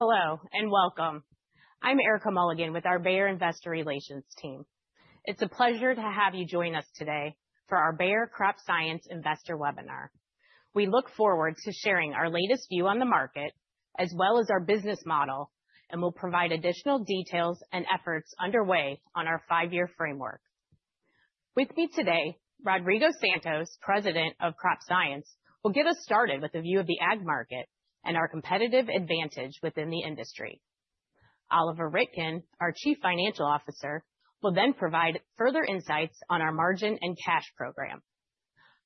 Hello and welcome. I'm Erica Mulligan with our Bayer Investor Relations team. It's a pleasure to have you join us today for our Bayer Crop Science Investor Webinar. We look forward to sharing our latest view on the market, as well as our business model, and will provide additional details and efforts underway on our five-year framework. With me today, Rodrigo Santos, President of Crop Science, will get us started with a view of the ag market and our competitive advantage within the industry. Oliver Rittgen, our Chief Financial Officer, will then provide further insights on our margin and cash program,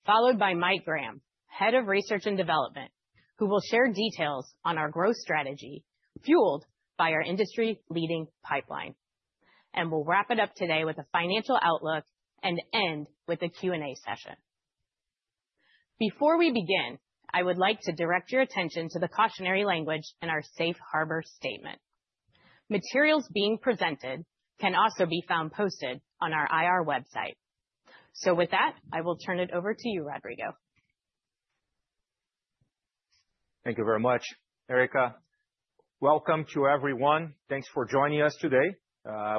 followed by Mike Graham, Head of Research and Development, who will share details on our growth strategy fueled by our industry-leading pipeline. We'll wrap it up today with a financial outlook and end with a Q&A session. Before we begin, I would like to direct your attention to the cautionary language in our Safe Harbor statement. Materials being presented can also be found posted on our IR website. With that, I will turn it over to you, Rodrigo. Thank you very much, Erica. Welcome to everyone. Thanks for joining us today.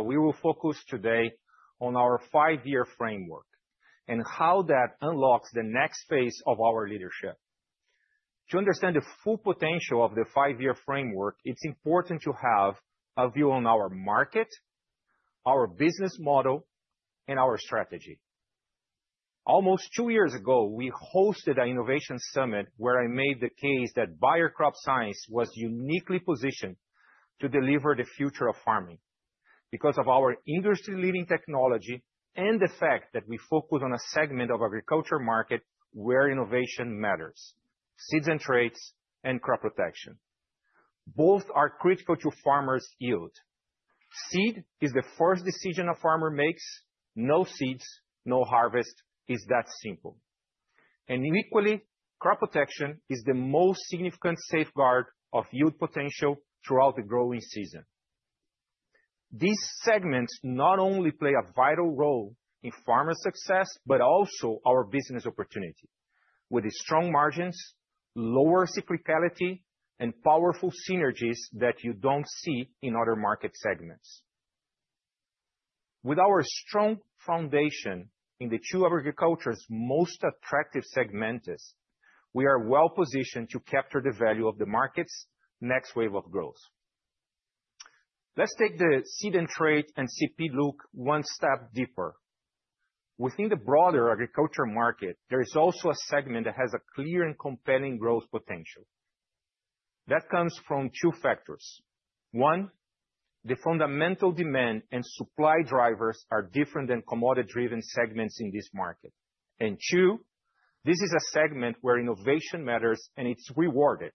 We will focus today on our five-year framework and how that unlocks the next phase of our leadership. To understand the full potential of the five-year framework, it's important to have a view on our market, our business model, and our strategy. Almost two years ago, we hosted an innovation summit where I made the case that Bayer Crop Science was uniquely positioned to deliver the future of farming because of our industry-leading technology and the fact that we focus on a segment of the agricultural market where innovation matters: seeds and traits and crop protection. Both are critical to farmers' yield. Seed is the first decision a farmer makes. No seeds, no harvest. It's that simple. Equally, crop protection is the most significant safeguard of yield potential throughout the growing season. These segments not only play a vital role in farmers' success, but also our business opportunity with strong margins, lower cyclicality, and powerful synergies that you don't see in other market segments. With our strong foundation in the two agriculture's most attractive segments, we are well positioned to capture the value of the market's next wave of growth. Let's take the seed and trait and crop protection look one step deeper. Within the broader agricultural market, there is also a segment that has a clear and compelling growth potential. That comes from two factors. One, the fundamental demand and supply drivers are different than commodity-driven segments in this market. Two, this is a segment where innovation matters and it's rewarded.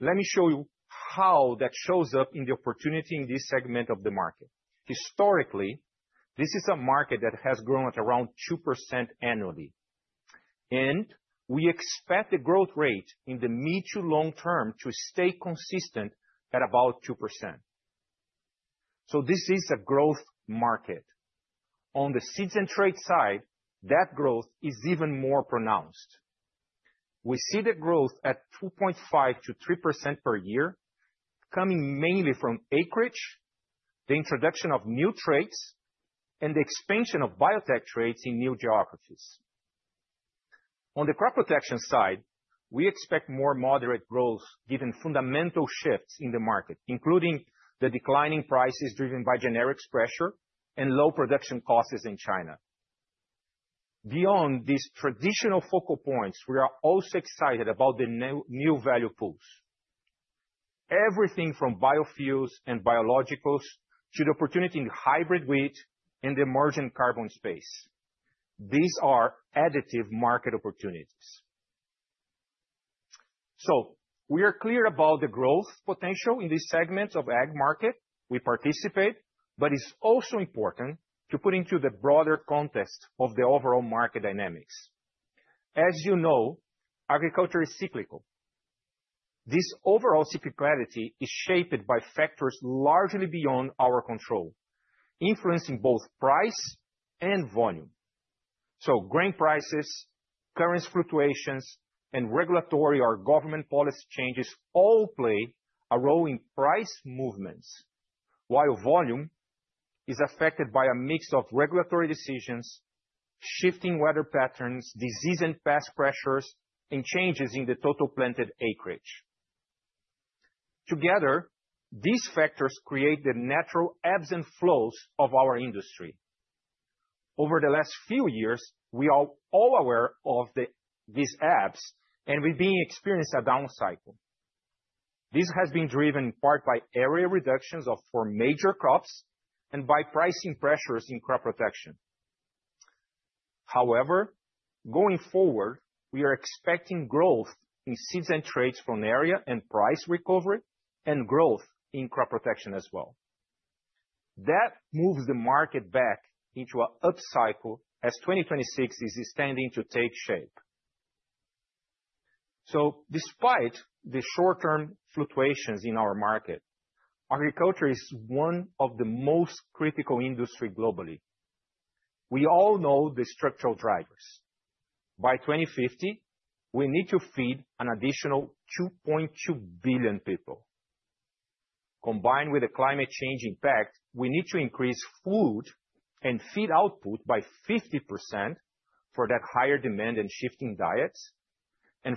Let me show you how that shows up in the opportunity in this segment of the market. Historically, this is a market that has grown at around 2% annually, and we expect the growth rate in the mid to long-term to stay consistent at about 2%. This is a growth market. On the seeds and traits side, that growth is even more pronounced. We see the growth at 2.5% to 3% per year, coming mainly from acreage, the introduction of new traits, and the expansion of biotech traits in new geographies. On the crop protection side, we expect more moderate growth given fundamental shifts in the market, including the declining prices driven by generics pressure and low production costs in China. Beyond these traditional focal points, we are also excited about the new value pools. Everything from biofuels and biologicals to the opportunity in hybrid wheat and the emerging carbon space. These are additive market opportunities. We are clear about the growth potential in these segments of the ag market we participate in, but it's also important to put it into the broader context of the overall market dynamics. As you know, agriculture is cyclical. This overall cyclicality is shaped by factors largely beyond our control, influencing both price and volume. Grain prices, currency fluctuations, and regulatory or government policy changes all play a role in price movements, while volume is affected by a mix of regulatory decisions, shifting weather patterns, disease and pest pressures, and changes in the total planted acreage. Together, these factors create the natural ebbs and flows of our industry. Over the last few years, we are all aware of these ebbs, and we've been experiencing a down cycle. This has been driven in part by area reductions for major crops and by pricing pressures in crop protection. However, going forward, we are expecting growth in seeds and traits from area and price recovery and growth in crop protection as well. That moves the market back into an up cycle as 2026 is intending to take shape. Despite the short-term fluctuations in our market, agriculture is one of the most critical industries globally. We all know the structural drivers. By 2050, we need to feed an additional 2.2 billion people. Combined with the climate change impact, we need to increase food and feed output by 50% for that higher demand and shifting diets.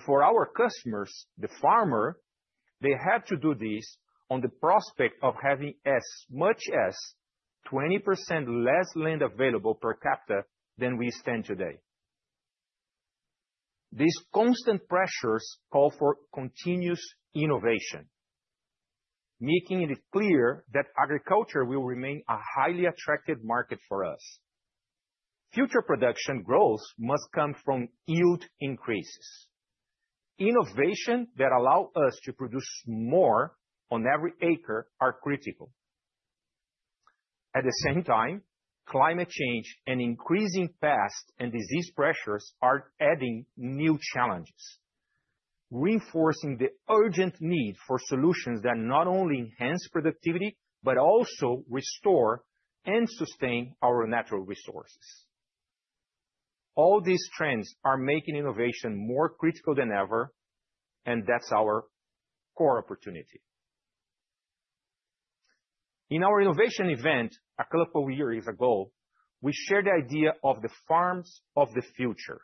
For our customers, the farmer, they have to do this on the prospect of having as much as 20% less land available per capita than we spend today. These constant pressures call for continuous innovation, making it clear that agriculture will remain a highly attractive market for us. Future production growth must come from yield increases. Innovations that allow us to produce more on every acre are critical. At the same time, climate change and increasing pest and disease pressures are adding new challenges, reinforcing the urgent need for solutions that not only enhance productivity but also restore and sustain our natural resources. All these trends are making innovation more critical than ever, and that's our core opportunity. In our innovation event a couple of years ago, we shared the idea of the farms of the future.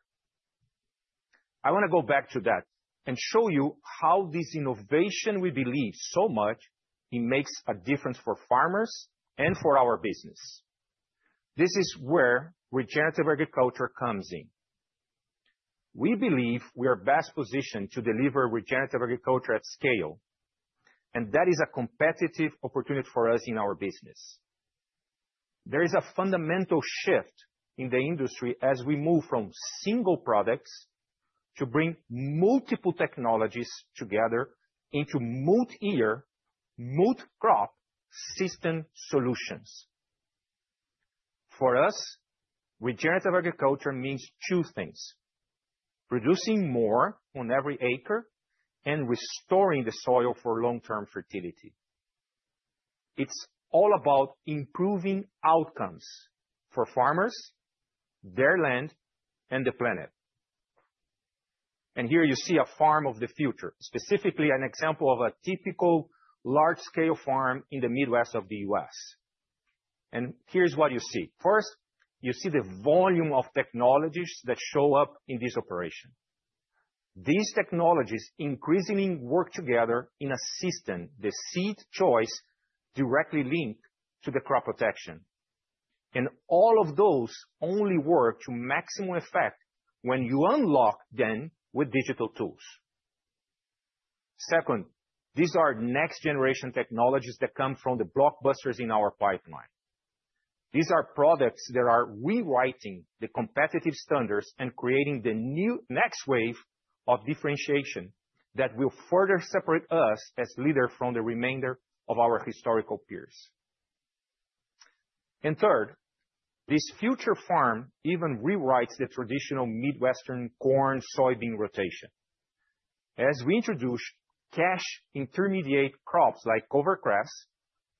I want to go back to that and show you how this innovation we believe so much in makes a difference for farmers and for our business. This is where regenerative agriculture comes in. We believe we are best positioned to deliver regenerative agriculture at scale, and that is a competitive opportunity for us in our business. There is a fundamental shift in the industry as we move from single products to bring multiple technologies together into multi-year, multi-crop system solutions. For us, regenerative agriculture means two things: producing more on every acre and restoring the soil for long-term fertility. It's all about improving outcomes for farmers, their land, and the planet. Here you see a farm of the future, specifically an example of a typical large-scale farm in the Midwest of the U.S. Here's what you see. First, you see the volume of technologies that show up in this operation. These technologies increasingly work together in assisting the seed choice directly linked to the crop protection. All of those only work to maximum effect when you unlock them with digital tools. Second, these are next-generation technologies that come from the blockbusters in our pipeline. These are products that are rewriting the competitive standards and creating the new next wave of differentiation that will further separate us as leaders from the remainder of our historical peers. Third, this future farm even rewrites the traditional Midwestern corn-soybean rotation. As we introduce cash-intermediate crops like cover crops,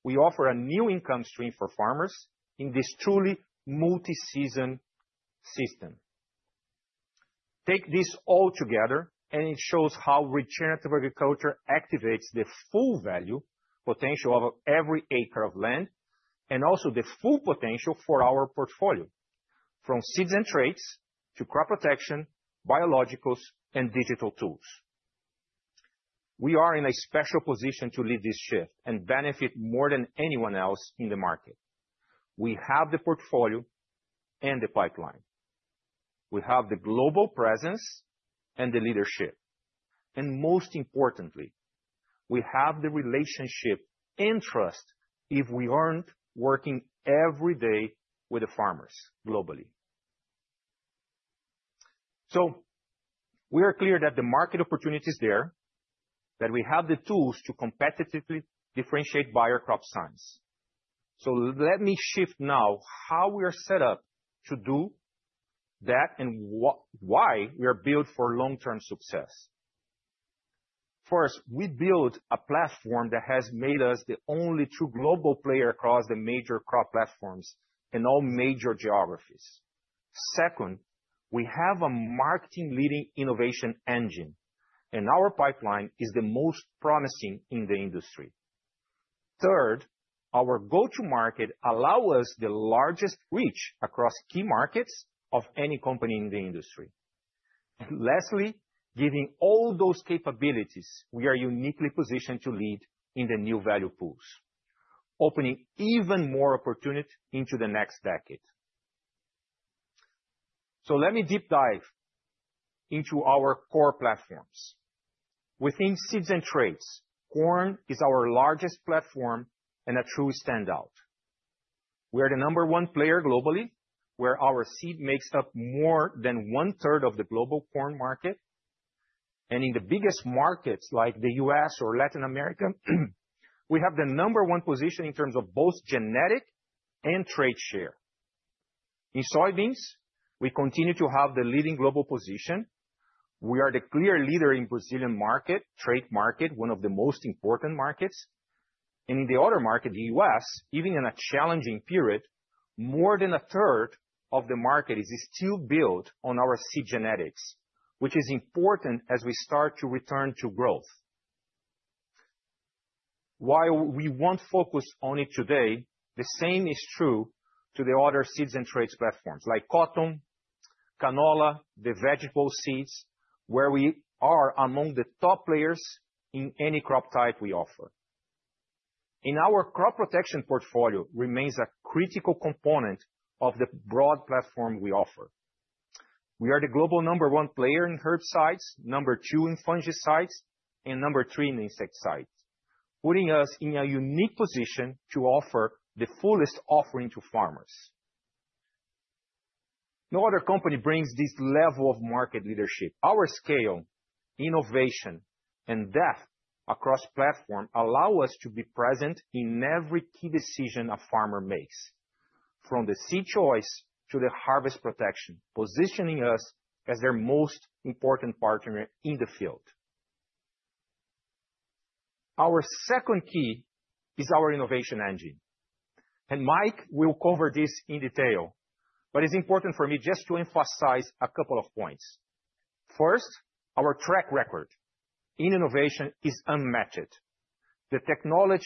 we offer a new income stream for farmers in this truly multi-season system. Take this all together, and it shows how regenerative agriculture activates the full value potential of every acre of land and also the full potential for our portfolio, from seeds and traits to crop protection, biologicals, and digital tools. We are in a special position to lead this shift and benefit more than anyone else in the market. We have the portfolio and the pipeline. We have the global presence and the leadership. Most importantly, we have the relationship and trust if we aren't working every day with the farmers globally. We are clear that the market opportunity is there, that we have the tools to competitively differentiate Bayer Crop Science. Let me shift now how we are set up to do that and why we are built for long-term success. First, we build a platform that has made us the only true global player across the major crop platforms in all major geographies. Second, we have a market-leading innovation engine, and our pipeline is the most promising in the industry. Third, our go-to-market allows us the largest reach across key markets of any company in the industry. Lastly, given all those capabilities, we are uniquely positioned to lead in the new value pools, opening even more opportunities into the next decade. Let me deep dive into our core platforms. Within seeds and traits, corn is our largest platform and a true standout. We are the number one player globally, where our seed makes up more than one-third of the global corn market. In the biggest markets like the U.S. or Latin America, we have the number one position in terms of both genetic and trait share. In soybeans, we continue to have the leading global position. We are the clear leader in the Brazilian market, trait market, one of the most important markets. In the other market, the U.S., even in a challenging period, more than a third of the market is still built on our seed genetics, which is important as we start to return to growth. While we won't focus on it today, the same is true for the other seeds and traits platforms like cotton, canola, the vegetable seeds, where we are among the top players in any crop type we offer. In our crop protection portfolio, it remains a critical component of the broad platform we offer. We are the global number one player in herbicides, number two in fungicides, and number three in insecticides, putting us in a unique position to offer the fullest offering to farmers. No other company brings this level of market leadership. Our scale, innovation, and depth across platforms allow us to be present in every key decision a farmer makes, from the seed choice to the harvest protection, positioning us as their most important partner in the field. Our second key is our innovation engine. Mike will cover this in detail, but it's important for me just to emphasize a couple of points. First, our track record in innovation is unmatched. The technology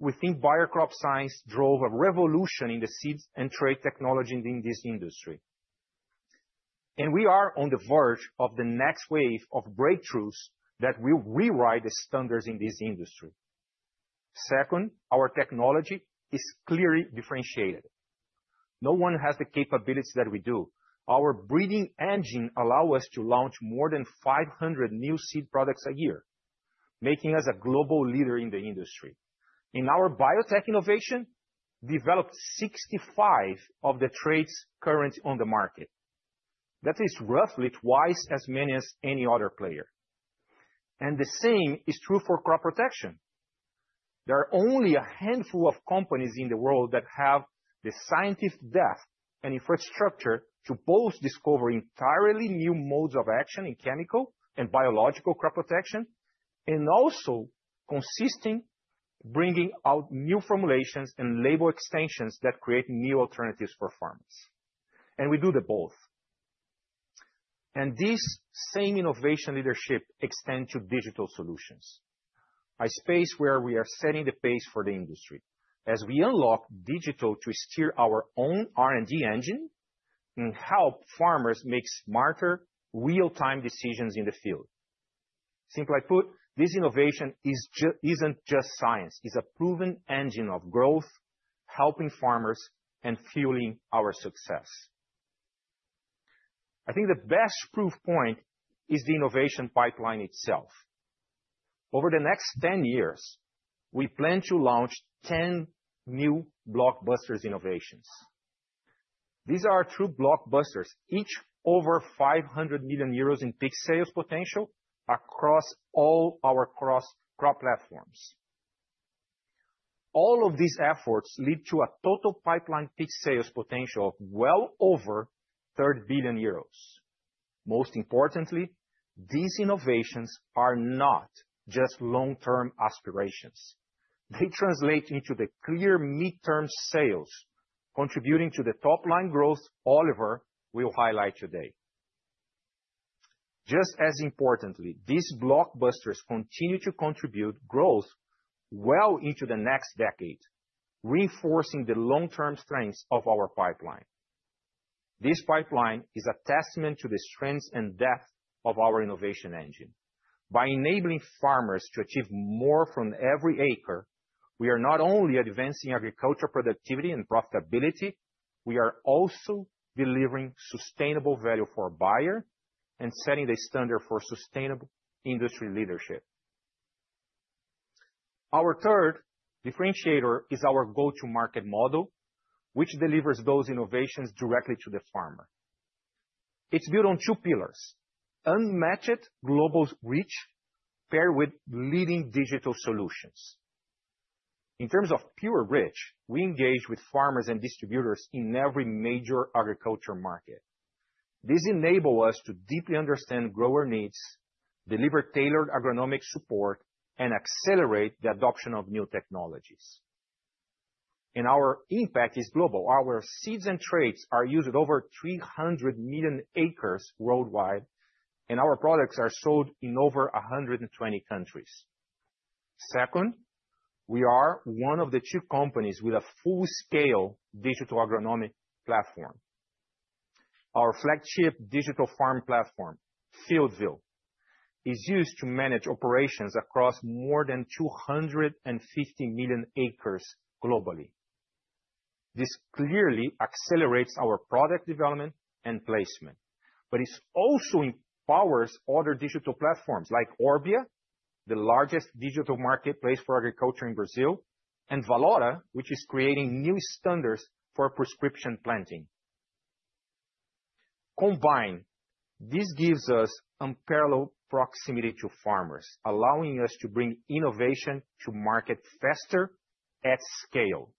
within Bayer Crop Science drove a revolution in the seeds and trait technology in this industry. We are on the verge of the next wave of breakthroughs that will rewrite the standards in this industry. Second, our technology is clearly differentiated. No one has the capability that we do. Our breeding engine allows us to launch more than 500 new seed products a year, making us a global leader in the industry. In our biotech innovation, we developed 65 of the traits currently on the market. That is roughly twice as many as any other player. The same is true for crop protection. There are only a handful of companies in the world that have the scientific depth and infrastructure to both discover entirely new modes of action in chemical and biological crop protection and also consistently bring out new formulations and label extensions that create new alternatives for farmers. We do both. This same innovation leadership extends to digital solutions, a space where we are setting the pace for the industry as we unlock digital to steer our own R&D engine and help farmers make smarter, real-time decisions in the field. Simply put, this innovation isn't just science. It's a proven engine of growth, helping farmers, and fueling our success. I think the best proof point is the innovation pipeline itself. Over the next 10 years, we plan to launch 10 new blockbuster innovations. These are true blockbusters, each over 500 million euros in peak sales potential across all our cross-crop platforms. All of these efforts lead to a total pipeline peak sales potential of well over 30 billion euros. Most importantly, these innovations are not just long-term aspirations. They translate into clear mid-term sales, contributing to the top-line growth Oliver will highlight today. Just as importantly, these blockbusters continue to contribute growth well into the next decade, reinforcing the long-term strengths of our pipeline. This pipeline is a testament to the strength and depth of our innovation engine. By enabling farmers to achieve more from every acre, we are not only advancing agricultural productivity and profitability, we are also delivering sustainable value for Bayer and setting the standard for sustainable industry leadership. Our third differentiator is our go-to-market model, which delivers those innovations directly to the farmer. It's built on two pillars: unmatched global reach, paired with leading digital solutions. In terms of pure reach, we engage with farmers and distributors in every major agricultural market. This enables us to deeply understand grower needs, deliver tailored agronomic support, and accelerate the adoption of new technologies. Our impact is global. Our seeds and traits are used in over 300 million acres worldwide, and our products are sold in over 120 countries. Second, we are one of the few companies with a full-scale digital agronomic platform. Our flagship digital farm platform, FieldView, is used to manage operations across more than 250 million acres globally. This clearly accelerates our product development and placement, but it also empowers other digital platforms like Orbia, the largest digital marketplace for agriculture in Brazil, and [Valota,] which is creating new standards for prescription planting. Combined, this gives us unparalleled proximity to farmers, allowing us to bring innovation to market faster at scale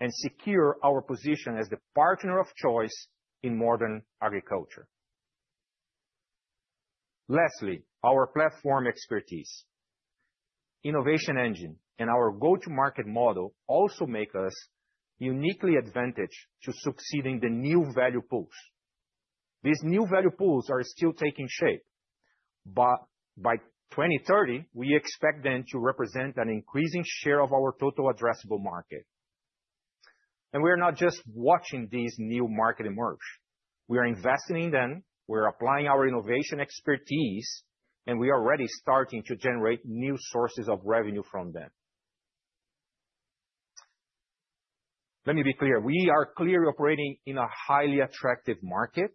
and secure our position as the partner of choice in modern agriculture. Lastly, our platform expertise, innovation engine, and our go-to-market model also make us uniquely advantageous to succeed in the new value pools. These new value pools are still taking shape, but by 2030, we expect them to represent an increasing share of our total addressable market. We are not just watching these new markets emerge. We are investing in them, we are applying our innovation expertise, and we are already starting to generate new sources of revenue from them. Let me be clear. We are clearly operating in a highly attractive market,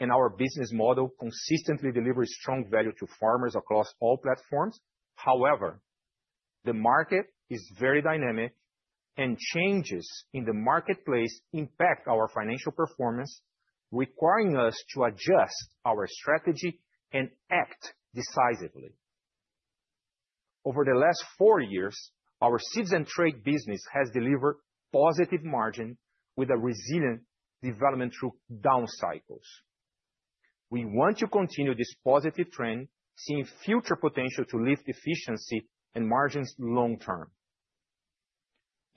and our business model consistently delivers strong value to farmers across all platforms. However, the market is very dynamic, and changes in the marketplace impact our financial performance, requiring us to adjust our strategy and act decisively. Over the last four years, our seeds and traits business has delivered positive margins with a resilient development through down cycles. We want to continue this positive trend, seeing future potential to lift efficiency and margins long-term.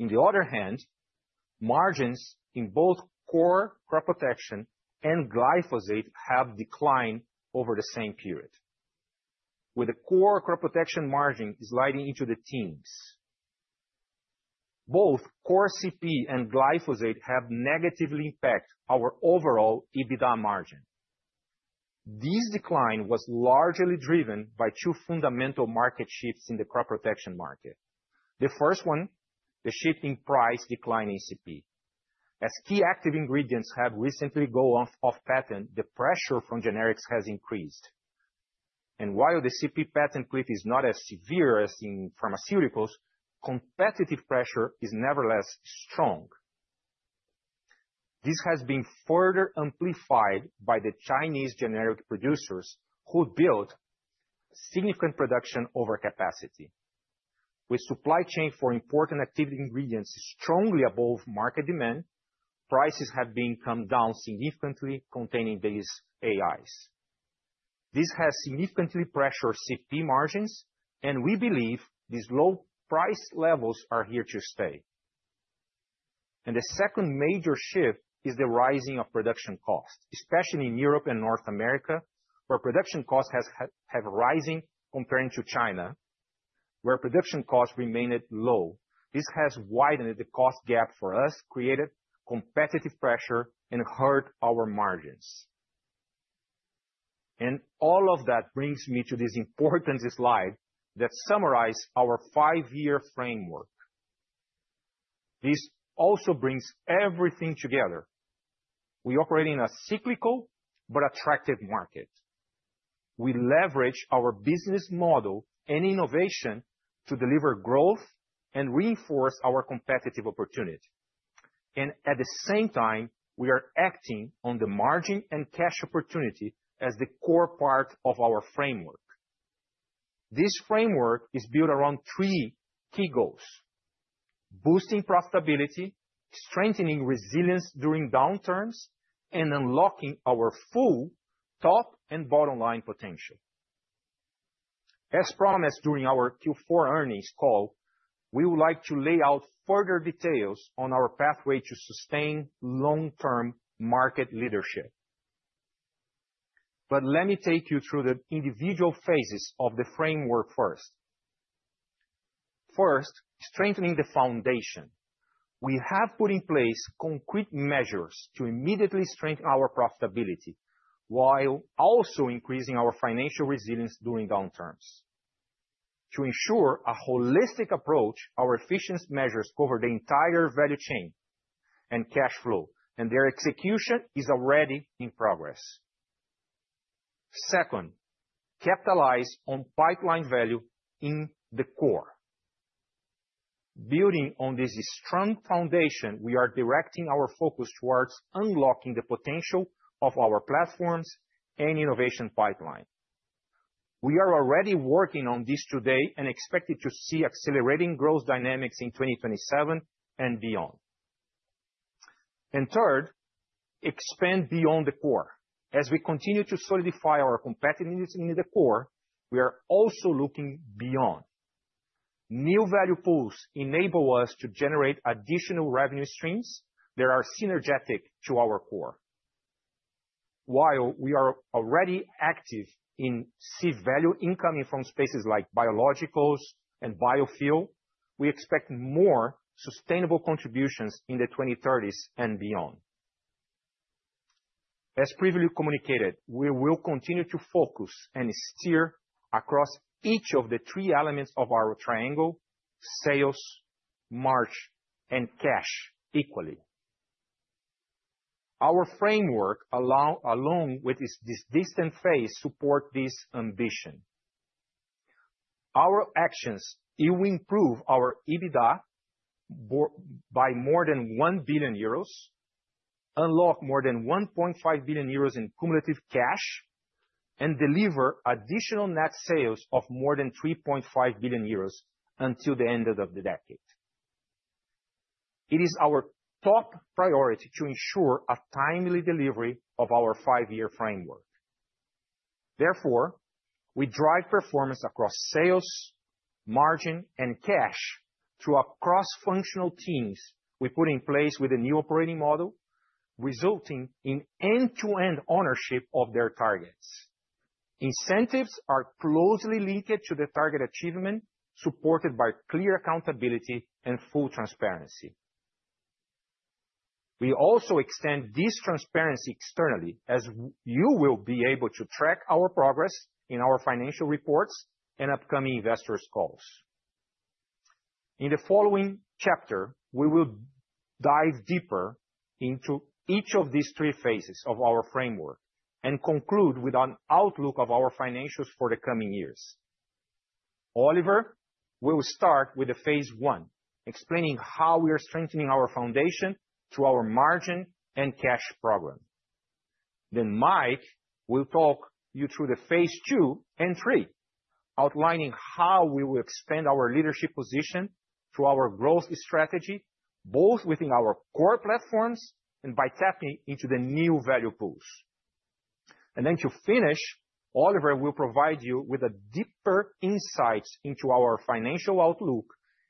On the other hand, margins in both core crop protection and glyphosate have declined over the same period, with the core crop protection margin sliding into the teens. Both core CP and glyphosate have negatively impacted our overall EBITDA margin. This decline was largely driven by two fundamental market shifts in the crop protection market. The first one, the shift in price declining CP. As key active ingredients have recently gone off-patent, the pressure from generics has increased. While the CP patent glitch is not as severe as in pharmaceuticals, competitive pressure is nevertheless strong. This has been further amplified by the Chinese generic producers who built significant production overcapacity. With supply chains for important active ingredients strongly above market demand, prices have come down significantly containing these AIs. This has significantly pressured CP margins, and we believe these low price levels are here to stay. The second major shift is the rising of production costs, especially in Europe and North America, where production costs have risen compared to China, where production costs remained low. This has widened the cost gap for us, created competitive pressure, and hurt our margins. All of that brings me to this important slide that summarizes our five-year framework. This also brings everything together. We operate in a cyclical but attractive market. We leverage our business model and innovation to deliver growth and reinforce our competitive opportunity. At the same time, we are acting on the margin and cash opportunity as the core part of our framework. This framework is built around three key goals: boosting profitability, strengthening resilience during downturns, and unlocking our full top and bottom line potential. As promised during our Q4 earnings call, we would like to lay out further details on our pathway to sustained long-term market leadership. Let me take you through the individual phases of the framework first. First, strengthening the foundation. We have put in place concrete measures to immediately strengthen our profitability while also increasing our financial resilience during downturns. To ensure a holistic approach, our efficiency measures cover the entire value chain and cash flow, and their execution is already in progress. Second, capitalizing on pipeline value in the core. Building on this strong foundation, we are directing our focus towards unlocking the potential of our platforms and innovation pipeline. We are already working on this today and expect to see accelerating growth dynamics in 2027 and beyond. Third, expand beyond the core. As we continue to solidify our competitiveness in the core, we are also looking beyond. New value pools enable us to generate additional revenue streams that are synergetic to our core. While we are already active in seed value incoming from spaces like biologicals and biofuels, we expect more sustainable contributions in the 2030s and beyond. As previously communicated, we will continue to focus and steer across each of the three elements of our triangle: sales, margin, and cash equally. Our framework, along with this distinct phase, supports this ambition. Our actions will improve our EBITDA by more than 1 billion euros, unlock more than 1.5 billion euros in cumulative cash, and deliver additional net sales of more than 3.5 billion euros until the end of the decade. It is our top priority to ensure a timely delivery of our five-year framework. Therefore, we drive performance across sales, margin, and cash through cross-functional teams we put in place with the new operating model, resulting in end-to-end ownership of their targets. Incentives are closely linked to the target achievement, supported by clear accountability and full transparency. We also extend this transparency externally, as you will be able to track our progress in our financial reports and upcoming investors' calls. In the following chapter, we will dive deeper into each of these three phases of our framework and conclude with an outlook of our financials for the coming years. Oliver will start with phase I, explaining how we are strengthening our foundation through our margin and cash program. Mike will talk you through phase II and III, outlining how we will expand our leadership position through our growth strategy, both within our core platforms and by tapping into the new value pools. To finish, Oliver will provide you with deeper insights into our financial outlook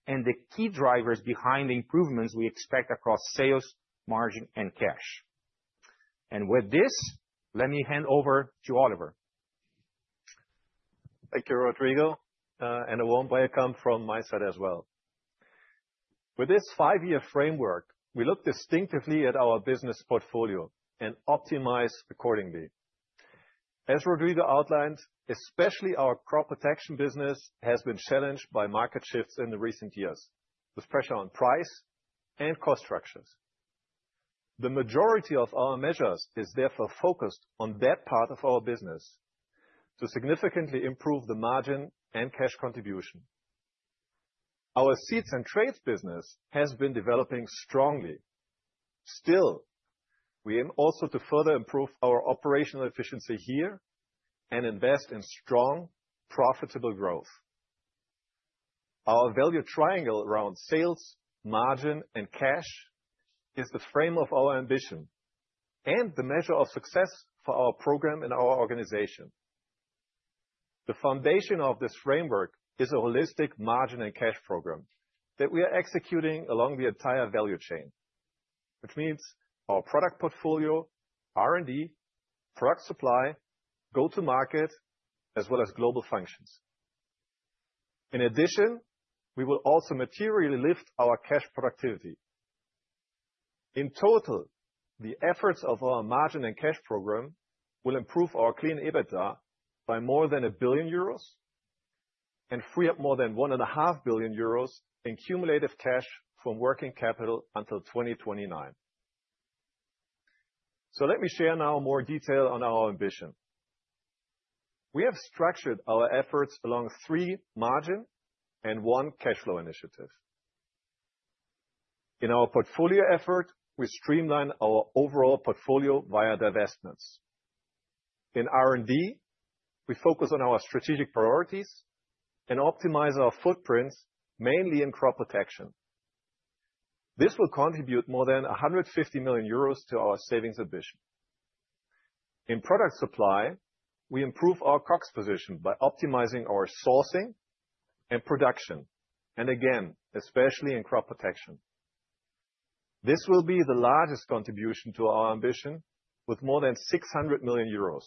and the key drivers behind the improvements we expect across sales, margin, and cash. With this, let me hand over to Oliver. Thank you, Rodrigo. A warm welcome from my side as well. With this five-year framework, we look distinctively at our business portfolio and optimize accordingly. As Rodrigo outlined, especially our crop protection business has been challenged by market shifts in recent years, with pressure on price and cost structures. The majority of our measures is therefore focused on that part of our business to significantly improve the margin and cash contribution. Our seeds and traits business has been developing strongly. Still, we aim also to further improve our operational efficiency here and invest in strong, profitable growth. Our value triangle around sales, margin, and cash is the frame of our ambition and the measure of success for our program in our organization. The foundation of this framework is a holistic margin and cash program that we are executing along the entire value chain, which means our product portfolio, R&D, product supply, go-to-market, as well as global functions. In addition, we will also materially lift our cash productivity. In total, the efforts of our margin and cash program will improve our clean EBITDA by more than 1 billion euros and free up more than 1.5 billion euros in cumulative cash from working capital until 2029. Let me share now more detail on our ambition. We have structured our efforts along three margin and one cash flow initiatives. In our portfolio effort, we streamline our overall portfolio via divestments. In R&D, we focus on our strategic priorities and optimize our footprints, mainly in crop protection. This will contribute more than 150 million euros to our savings ambition. In product supply, we improve our COPS position by optimizing our sourcing and production, and again, especially in crop protection. This will be the largest contribution to our ambition, with more than 600 million euros.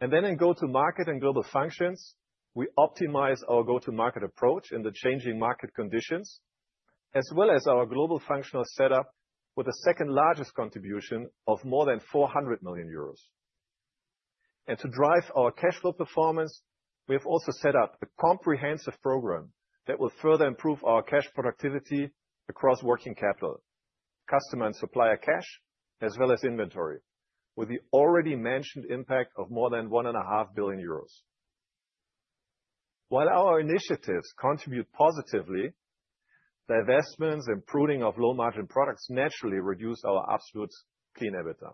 In go-to-market and global functions, we optimize our go-to-market approach in the changing market conditions, as well as our global functional setup, with the second largest contribution of more than 400 million euros. To drive our cash flow performance, we have also set up a comprehensive program that will further improve our cash productivity across working capital, customer and supplier cash, as well as inventory, with the already mentioned impact of more than 1.5 billion euros. While our initiatives contribute positively, divestments and pruning of low margin products naturally reduce our absolute clean EBITDA.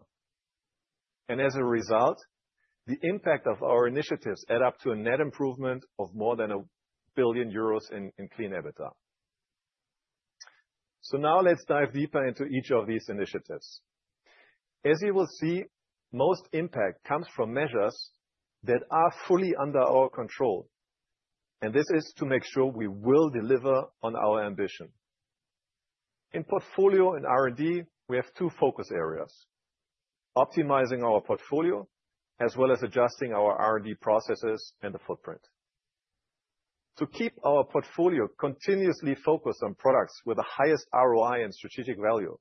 As a result, the impact of our initiatives adds up to a net improvement of more than 1 billion euros in clean EBITDA. Now let's dive deeper into each of these initiatives. As you will see, most impact comes from measures that are fully under our control, and this is to make sure we will deliver on our ambition. In portfolio and R&D, we have two focus areas: optimizing our portfolio, as well as adjusting our R&D processes and the footprint. To keep our portfolio continuously focused on products with the highest ROI and strategic value,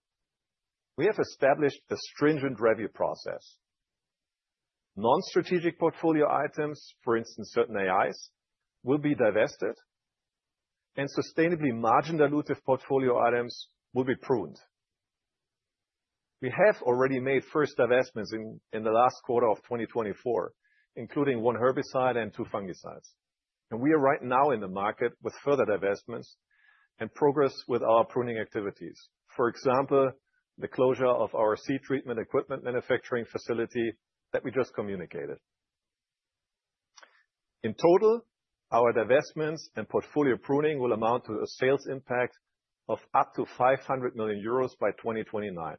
we have established a stringent review process. Non-strategic portfolio items, for instance, certain AIs, will be divested, and sustainably margin-dilutive portfolio items will be pruned. We have already made first divestments in the last quarter of 2024, including one herbicide and two fungicides. We are right now in the market with further divestments and progress with our pruning activities. For example, the closure of our seed treatment equipment manufacturing facility that we just communicated. In total, our divestments and portfolio pruning will amount to a sales impact of up to 500 million euros by 2029.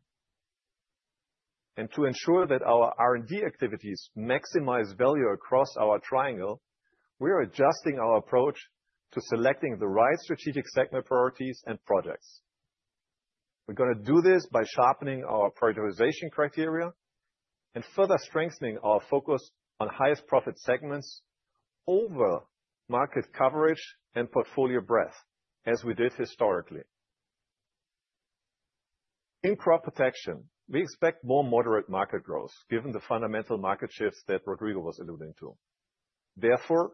To ensure that our R&D activities maximize value across our triangle, we are adjusting our approach to selecting the right strategic segment priorities and projects. We're going to do this by sharpening our prioritization criteria and further strengthening our focus on highest profit segments over market coverage and portfolio breadth, as we did historically. In crop protection, we expect more moderate market growth, given the fundamental market shifts that Rodrigo was alluding to. Therefore,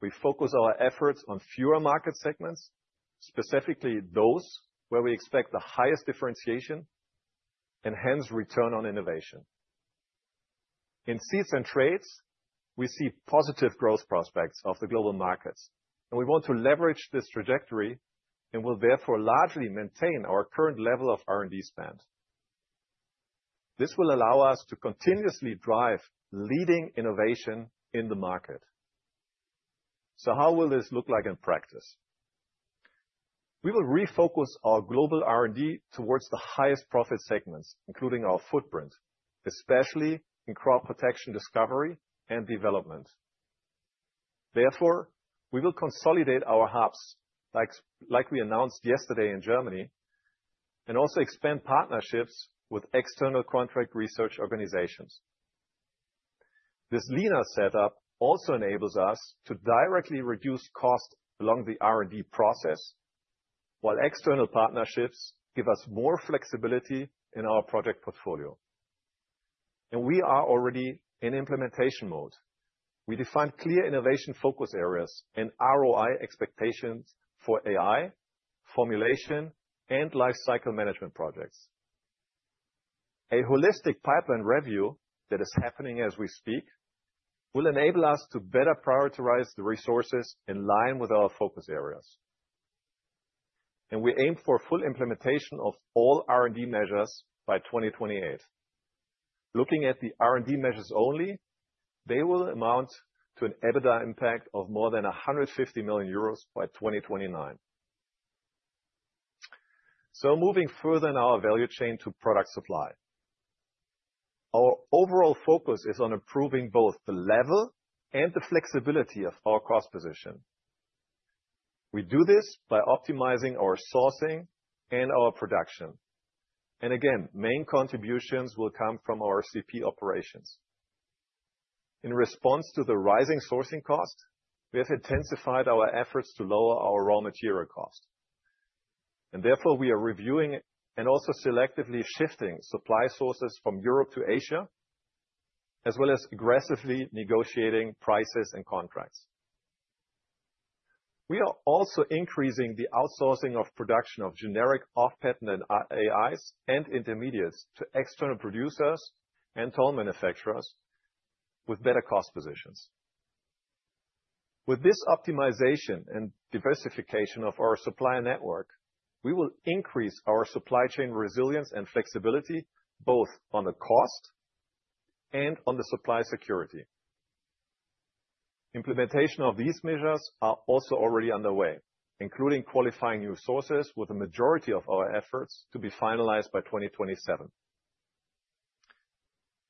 we focus our efforts on fewer market segments, specifically those where we expect the highest differentiation and hence return on innovation. In seeds and traits, we see positive growth prospects of the global markets, and we want to leverage this trajectory and will therefore largely maintain our current level of R&D spend. This will allow us to continuously drive leading innovation in the market. How will this look like in practice? We will refocus our global R&D towards the highest profit segments, including our footprint, especially in crop protection discovery and development. Therefore, we will consolidate our hubs, like we announced yesterday in Germany, and also expand partnerships with external contract research organizations. This leaner setup also enables us to directly reduce costs along the R&D process, while external partnerships give us more flexibility in our project portfolio. We are already in implementation mode. We defined clear innovation focus areas and ROI expectations for AI, formulation and lifecycle management projects. A holistic pipeline review that is happening as we speak will enable us to better prioritize the resources in line with our focus areas. We aim for full implementation of all R&D measures by 2028. Looking at the R&D measures only, they will amount to an EBITDA impact of more than 150 million euros by 2029. Moving further in our value chain to product supply, our overall focus is on improving both the level and the flexibility of our cost position. We do this by optimizing our sourcing and our production. Again, main contributions will come from our CP operations. In response to the rising sourcing cost, we have intensified our efforts to lower our raw material cost. Therefore, we are reviewing and also selectively shifting supply sources from Europe to Asia, as well as aggressively negotiating prices and contracts. We are also increasing the outsourcing of production of generic off-patent AIs and intermediates to external producers and toll manufacturers with better cost positions. With this optimization and diversification of our supply network, we will increase our supply chain resilience and flexibility, both on the cost and on the supply security. Implementation of these measures is also already underway, including qualifying new sources with the majority of our efforts to be finalized by 2027.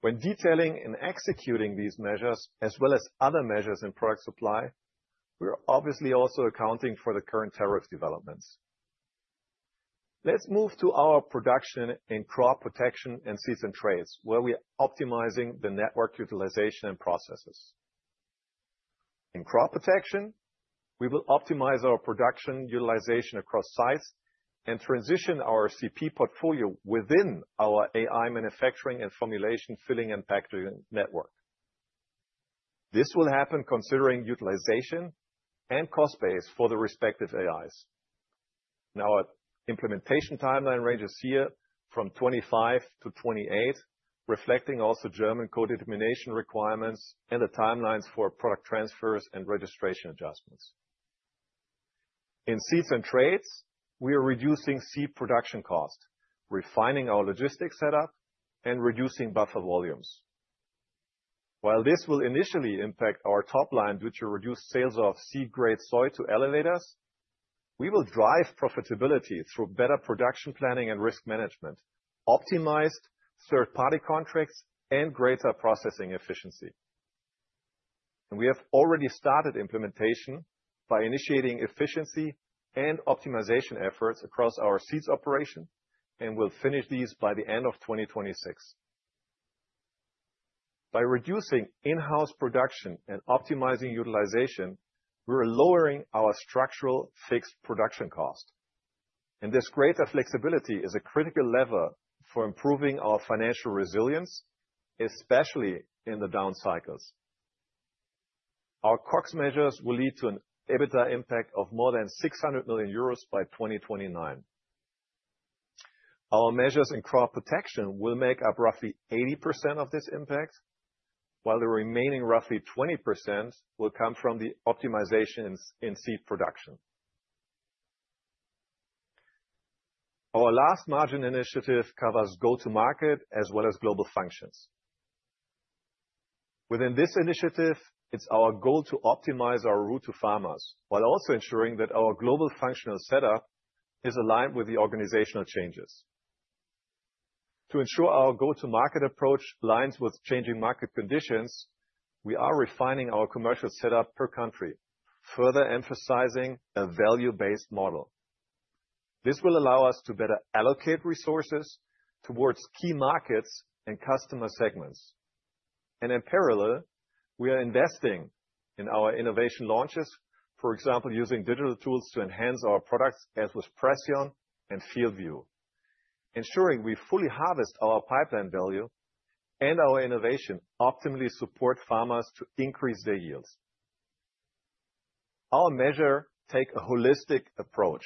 When detailing and executing these measures, as well as other measures in product supply, we are obviously also accounting for the current tariff developments. Let's move to our production in crop protection and seeds and traits, where we are optimizing the network utilization and processes. In crop protection, we will optimize our production utilization across sites and transition our CP portfolio within our AI manufacturing and formulation filling and packing network. This will happen considering utilization and cost base for the respective AIs. Our implementation timeline ranges here from 2025 to 2028, reflecting also German code elimination requirements and the timelines for product transfers and registration adjustments. In seeds and traits, we are reducing seed production costs, refining our logistics setup, and reducing buffer volumes. While this will initially impact our top line due to reduced sales of seed-grade soy to elevators, we will drive profitability through better production planning and risk management, optimized third-party contracts, and greater processing efficiency. We have already started implementation by initiating efficiency and optimization efforts across our seeds operation, and we'll finish these by the end of 2026. By reducing in-house production and optimizing utilization, we're lowering our structural fixed production cost. This greater flexibility is a critical lever for improving our financial resilience, especially in the down cycles. Our COPS measures will lead to an EBITDA impact of more than 600 million euros by 2029. Our measures in crop protection will make up roughly 80% of this impact, while the remaining roughly 20% will come from the optimizations in seed production. Our last margin initiative covers go-to-market as well as global functions. Within this initiative, it's our goal to optimize our route to farmers while also ensuring that our global functional setup is aligned with the organizational changes. To ensure our go-to-market approach aligns with changing market conditions, we are refining our commercial setup per country, further emphasizing a value-based model. This will allow us to better allocate resources towards key markets and customer segments. In parallel, we are investing in our innovation launches, for example, using digital tools to enhance our products as with PRECEON and FieldView, ensuring we fully harvest our pipeline value and our innovation optimally support farmers to increase their yields. Our measures take a holistic approach.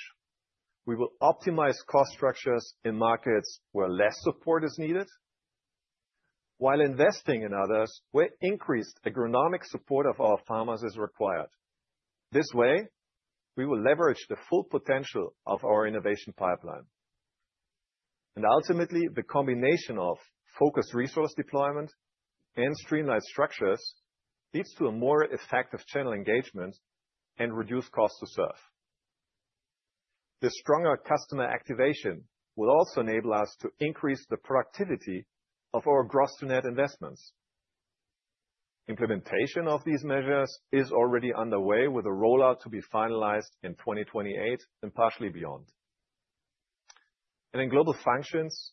We will optimize cost structures in markets where less support is needed, while investing in others where increased agronomic support of our farmers is required. This way, we will leverage the full potential of our innovation pipeline. Ultimately, the combination of focused resource deployment and streamlined structures leads to a more effective channel engagement and reduced costs to serve. The stronger customer activation will also enable us to increase the productivity of our gross-to-net investments. Implementation of these measures is already underway, with a rollout to be finalized in 2028 and partially beyond. In global functions,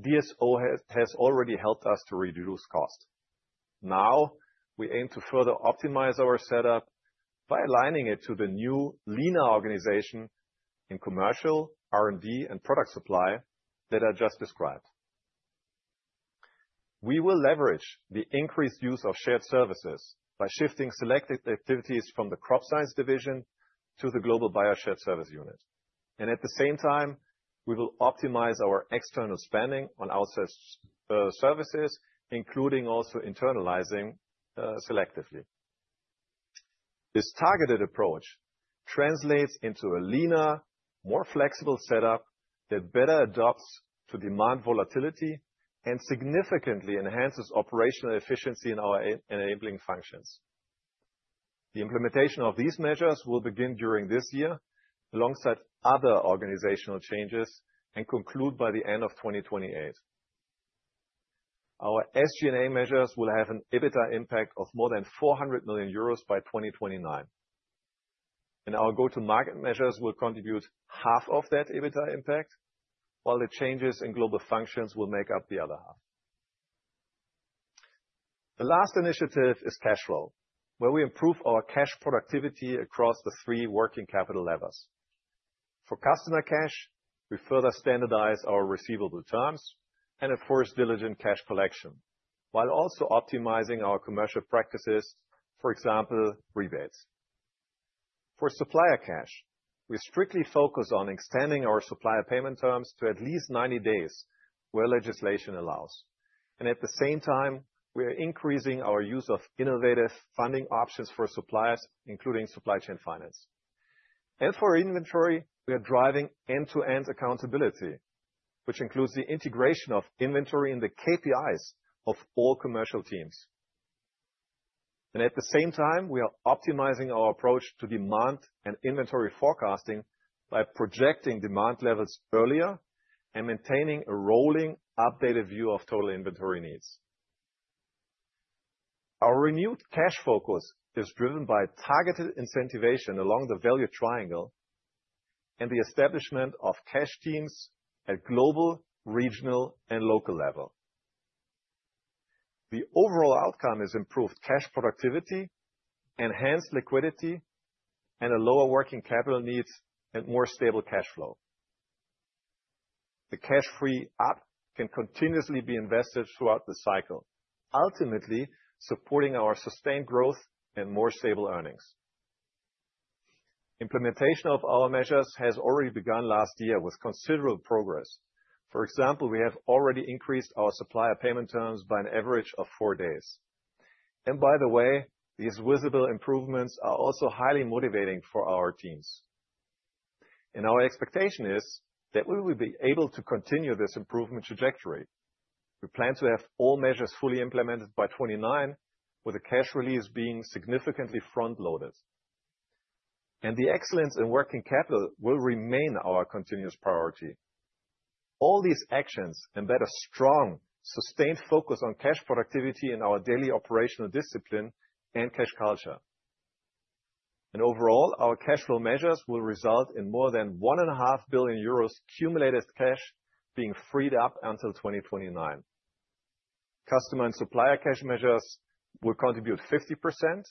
DSO has already helped us to reduce costs. Now, we aim to further optimize our setup by aligning it to the new leaner organization in commercial R&D and product supply that I just described. We will leverage the increased use of shared services by shifting selected activities from the Crop Science division to the Global Bayer Shared Service unit. At the same time, we will optimize our external spending on outsourced services, including also internalizing selectively. This targeted approach translates into a leaner, more flexible setup that better adapts to demand volatility and significantly enhances operational efficiency in our enabling functions. The implementation of these measures will begin during this year, alongside other organizational changes, and conclude by the end of 2028. Our SG&A measures will have an EBITDA impact of more than 400 million euros by 2029. Our go-to-market measures will contribute half of that EBITDA impact, while the changes in global functions will make up the other half. The last initiative is cash flow, where we improve our cash productivity across the three working capital levers. For customer cash, we further standardize our receivable terms and enforce diligent cash collection, while also optimizing our commercial practices, for example, rebates. For supplier cash, we strictly focus on extending our supplier payment terms to at least 90 days where legislation allows. At the same time, we are increasing our use of innovative funding options for suppliers, including supply chain finance. For inventory, we are driving end-to-end accountability, which includes the integration of inventory in the KPIs of all commercial teams. At the same time, we are optimizing our approach to demand and inventory forecasting by projecting demand levels earlier and maintaining a rolling, updated view of total inventory needs. Our renewed cash focus is driven by targeted incentivization along the value triangle and the establishment of cash teams at global, regional, and local levels. The overall outcome is improved cash productivity, enhanced liquidity, lower working capital needs, and more stable cash flow. The cash free up can continuously be invested throughout the cycle, ultimately supporting our sustained growth and more stable earnings. Implementation of our measures has already begun last year with considerable progress. For example, we have already increased our supplier payment terms by an average of four days. These visible improvements are also highly motivating for our teams. Our expectation is that we will be able to continue this improvement trajectory. We plan to have all measures fully implemented by 2029, with the cash release being significantly front-loaded. Excellence in working capital will remain our continuous priority. All these actions embed a strong, sustained focus on cash productivity in our daily operational discipline and cash culture. Overall, our cash flow measures will result in more than 1.5 billion euros cumulative cash being freed up until 2029. Customer and supplier cash measures will contribute 50%,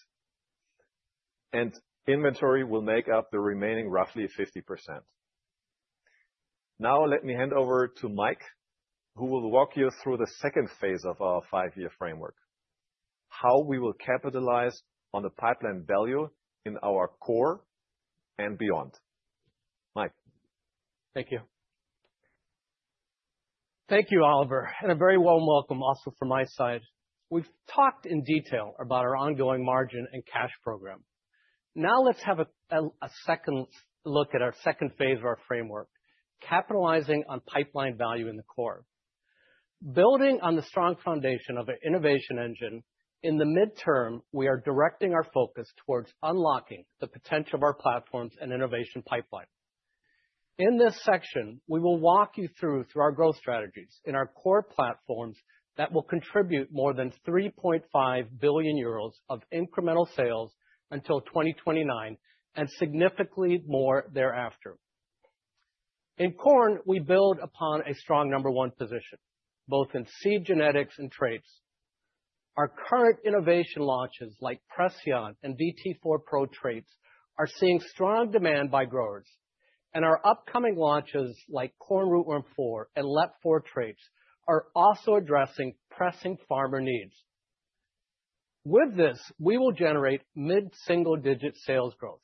and inventory will make up the remaining roughly 50%. Now, let me hand over to Mike, who will walk you through the second phase of our five-year framework, how we will capitalize on the pipeline value in our core and beyond. Mike. Thank you. Thank you, Oliver, and a very warm welcome also from my side. We've talked in detail about our ongoing margin and cash program. Now let's have a second look at our second phase of our framework, capitalizing on pipeline value in the core. Building on the strong foundation of an innovation engine, in the midterm, we are directing our focus towards unlocking the potential of our platforms and innovation pipeline. In this section, we will walk you through our growth strategies in our core platforms that will contribute more than 3.5 billion euros of incremental sales until 2029 and significantly more thereafter. In corn, we build upon a strong number one position, both in seed genetics and traits. Our current innovation launches like PRECEON and VT4PRO traits are seeing strong demand by growers, and our upcoming launches like corn rootworm 4 and LP 4 traits are also addressing pressing farmer needs. With this, we will generate mid-single-digit sales growth.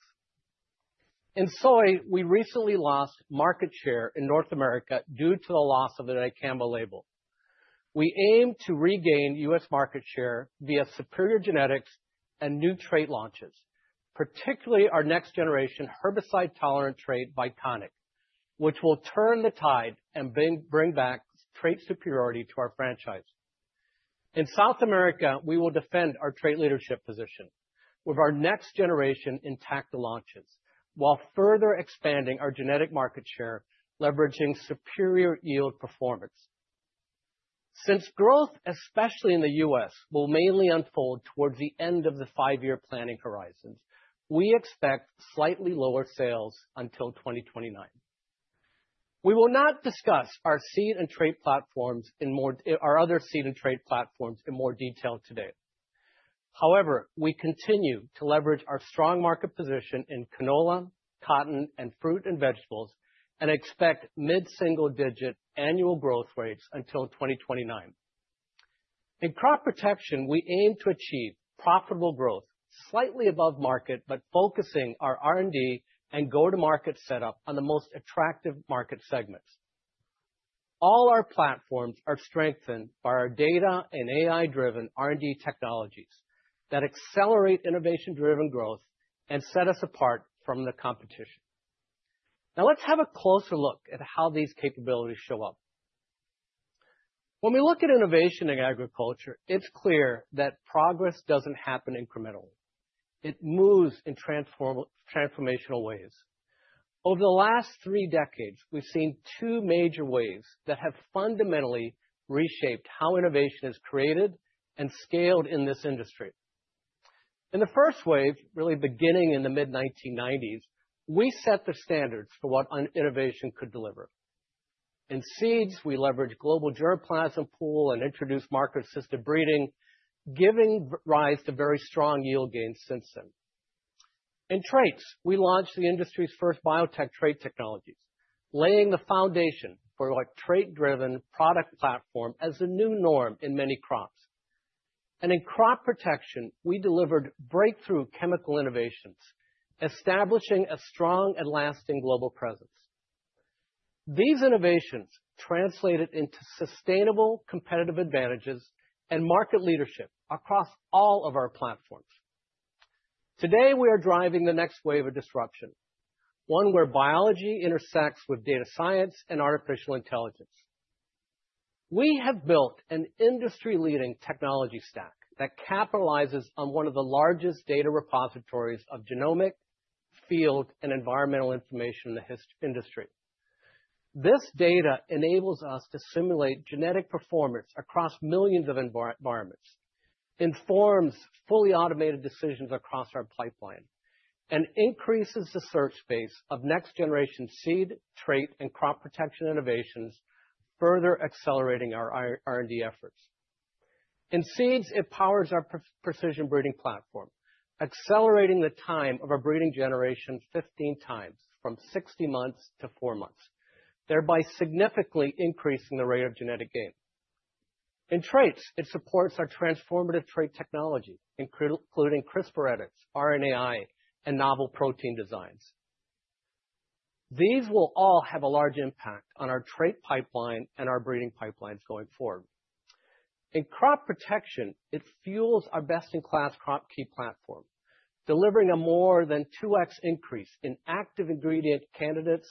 In soy, we recently lost market share in North America due to the loss of the Dicamba label. We aim to regain U.S. market share via superior genetics and new trait launches, particularly our next-generation herbicide-tolerant trait Vyconic, which will turn the tide and bring back trait superiority to our franchise. In South America, we will defend our trait leadership position with our next-generation intact launches, while further expanding our genetic market share, leveraging superior yield performance. Since growth, especially in the U.S., will mainly unfold towards the end of the five-year planning horizons, we expect slightly lower sales until 2029. We will not discuss our seeds and traits platforms in more detail today. However, we continue to leverage our strong market position in canola, cotton, and fruit and vegetables and expect mid-single-digit annual growth rates until 2029. In crop protection, we aim to achieve profitable growth slightly above market, focusing our R&D and go-to-market setup on the most attractive market segments. All our platforms are strengthened by our data and AI-driven R&D technologies that accelerate innovation-driven growth and set us apart from the competition. Now let's have a closer look at how these capabilities show up. When we look at innovation in agriculture, it's clear that progress doesn't happen incrementally. It moves in transformational ways. Over the last three decades, we've seen two major waves that have fundamentally reshaped how innovation is created and scaled in this industry. In the first wave, really beginning in the mid-1990s, we set the standards for what innovation could deliver. In seeds, we leveraged global germplasm pool and introduced marker-assisted breeding, giving rise to very strong yield gains since then. In traits, we launched the industry's first biotech trait technologies, laying the foundation for a trait-driven product platform as the new norm in many crops. In crop protection, we delivered breakthrough chemical innovations, establishing a strong and lasting global presence. These innovations translated into sustainable competitive advantages and market leadership across all of our platforms. Today, we are driving the next wave of disruption, one where biology intersects with data science and artificial intelligence. We have built an industry-leading technology stack that capitalizes on one of the largest data repositories of genomic, field, and environmental information in the industry. This data enables us to simulate genetic performance across millions of environments, informs fully automated decisions across our pipeline, and increases the search space of next-generation seed, trait, and crop protection innovations, further accelerating our R&D efforts. In seeds, it powers our PRECEON breeding platform, accelerating the time of a breeding generation 15x from 60 months to four months, thereby significantly increasing the rate of genetic gain. In traits, it supports our transformative trait technology, including CRISPR edits, RNAi, and novel protein designs. These will all have a large impact on our trait pipeline and our breeding pipelines going forward. In crop protection, it fuels our best-in-class crop key platform, delivering a more than 2x increase in active ingredient candidates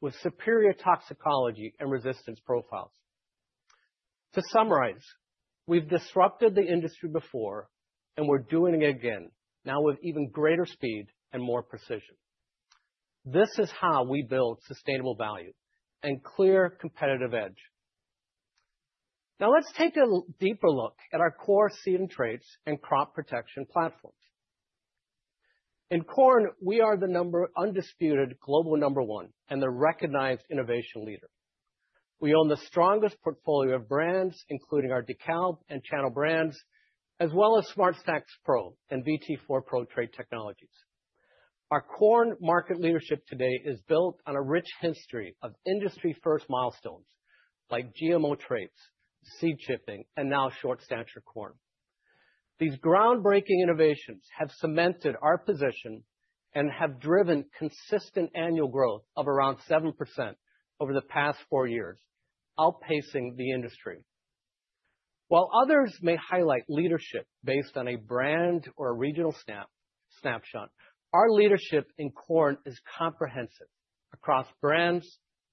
with superior toxicology and resistance profiles. To summarize, we've disrupted the industry before, and we're doing it again, now with even greater speed and more PRECEON. This is how we build sustainable value and clear competitive edge. Now let's take a deeper look at our core seed and traits and crop protection platforms. In corn, we are the undisputed global number one and the recognized innovation leader. We own the strongest portfolio of brands, including our DEKALB and Channel brands, as well as SmartStax PRO and VT4PRO trait technologies. Our corn market leadership today is built on a rich history of industry-first milestones like GMO traits, seed chipping, and now short stature corn. These groundbreaking innovations have cemented our position and have driven consistent annual growth of around 7% over the past four years, outpacing the industry. While others may highlight leadership based on a brand or a regional snapshot, our leadership in corn is comprehensive across brands,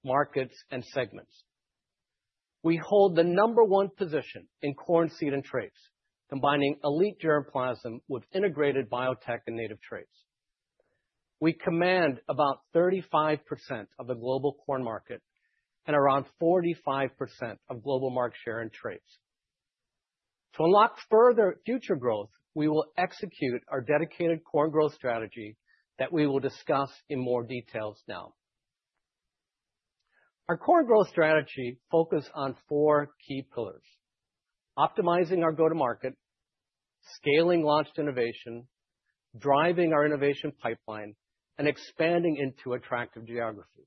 markets, and segments. We hold the number one position in corn seed and traits, combining elite germplasm with integrated biotech and native traits. We command about 35% of the global corn market and around 45% of global market share in traits. To unlock further future growth, we will execute our dedicated corn growth strategy that we will discuss in more detail now. Our corn growth strategy focuses on four key pillars: optimizing our go-to-market, scaling launched innovation, driving our innovation pipeline, and expanding into attractive geographies.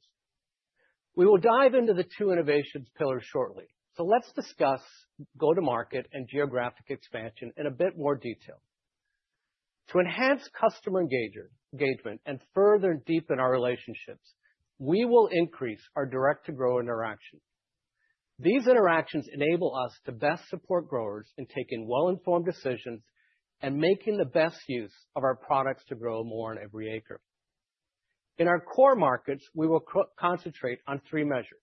We will dive into the two innovation pillars shortly. Let's discuss go-to-market and geographic expansion in a bit more detail. To enhance customer engagement and further deepen our relationships, we will increase our direct-to-grower interactions. These interactions enable us to best support growers in taking well-informed decisions and making the best use of our products to grow more on every acre. In our core markets, we will concentrate on three measures.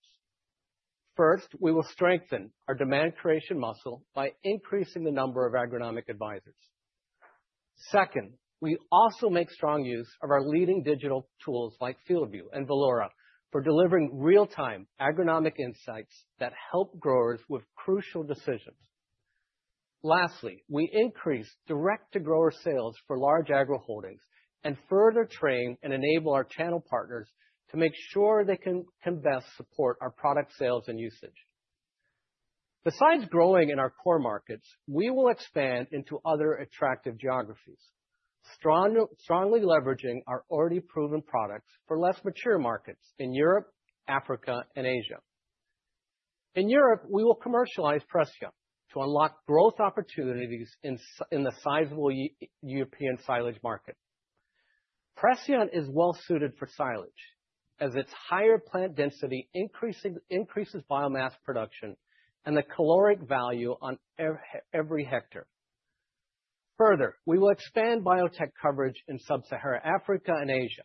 First, we will strengthen our demand creation muscle by increasing the number of agronomic advisors. Second, we also make strong use of our leading digital tools like FieldView and [Valota] for delivering real-time agronomic insights that help growers with crucial decisions. Lastly, we increase direct-to-grower sales for large agro holdings and further train and enable our channel partners to make sure they can best support our product sales and usage. Besides growing in our core markets, we will expand into other attractive geographies, strongly leveraging our already proven products for less mature markets in Europe, Africa, and Asia. In Europe, we will commercialize PRECEON to unlock growth opportunities in the sizable European silage market. PRECEON is well suited for silage as its higher plant density increases biomass production and the caloric value on every hectare. Further, we will expand biotech coverage in Sub-Saharan Africa and Asia,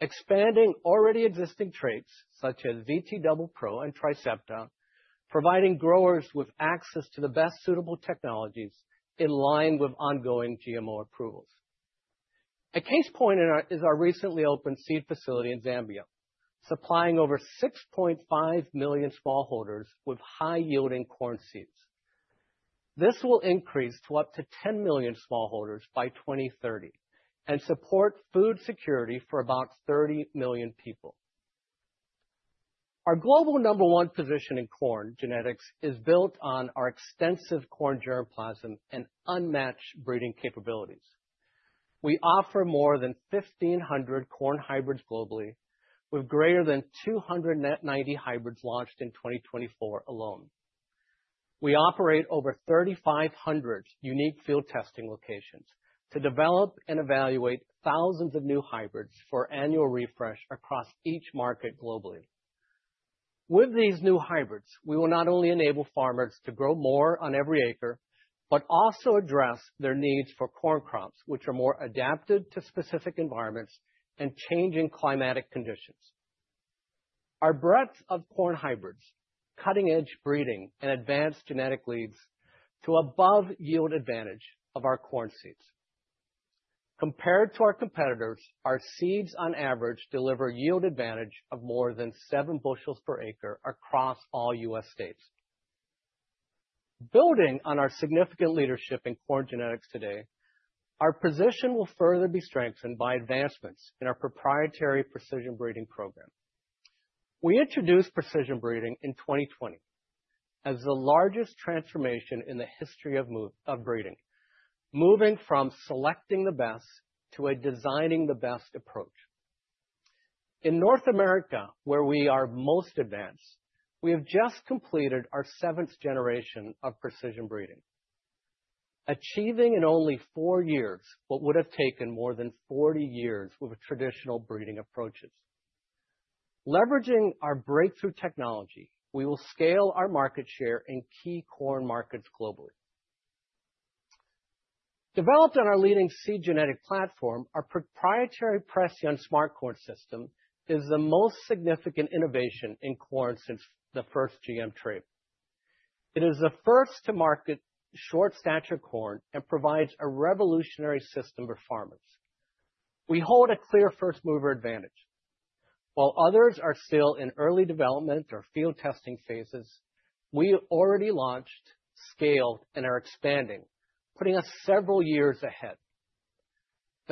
expanding already existing traits such as VT Double Pro and Tricepta, providing growers with access to the best suitable technologies in line with ongoing GMO approvals. A case point is our recently opened seed facility in Zambia, supplying over 6.5 million smallholders with high-yielding corn seeds. This will increase to up to 10 million smallholders by 2030 and support food security for about 30 million people. Our global number one position in corn genetics is built on our extensive corn germplasm and unmatched breeding capabilities. We offer more than 1,500 corn hybrids globally, with greater than 290 hybrids launched in 2024 alone. We operate over 3,500 unique field testing locations to develop and evaluate thousands of new hybrids for annual refresh across each market globally. With these new hybrids, we will not only enable farmers to grow more on every acre, but also address their needs for corn crops, which are more adapted to specific environments and changing climatic conditions. Our breadth of corn hybrids, cutting-edge breeding, and advanced genetic leads to above yield advantage of our corn seeds. Compared to our competitors, our seeds on average deliver yield advantage of more than seven bushels per acre across all U.S. states. Building on our significant leadership in corn genetics today, our position will further be strengthened by advancements in our proprietary PRECEON breeding program. We introduced PRECEON breeding in 2020 as the largest transformation in the history of breeding, moving from selecting the best to a designing the best approach. In North America, where we are most advanced, we have just completed our seventh generation of PRECEON breeding, achieving in only four years what would have taken more than 40 years with traditional breeding approaches. Leveraging our breakthrough technology, we will scale our market share in key corn markets globally. Developed on our leading seed genetic platform, our proprietary PRECEON smart corn system is the most significant innovation in corn since the first GM trait. It is the first-to-market short stature corn and provides a revolutionary system for farmers. We hold a clear first-mover advantage. While others are still in early development or field testing phases, we already launched, scaled, and are expanding, putting us several years ahead.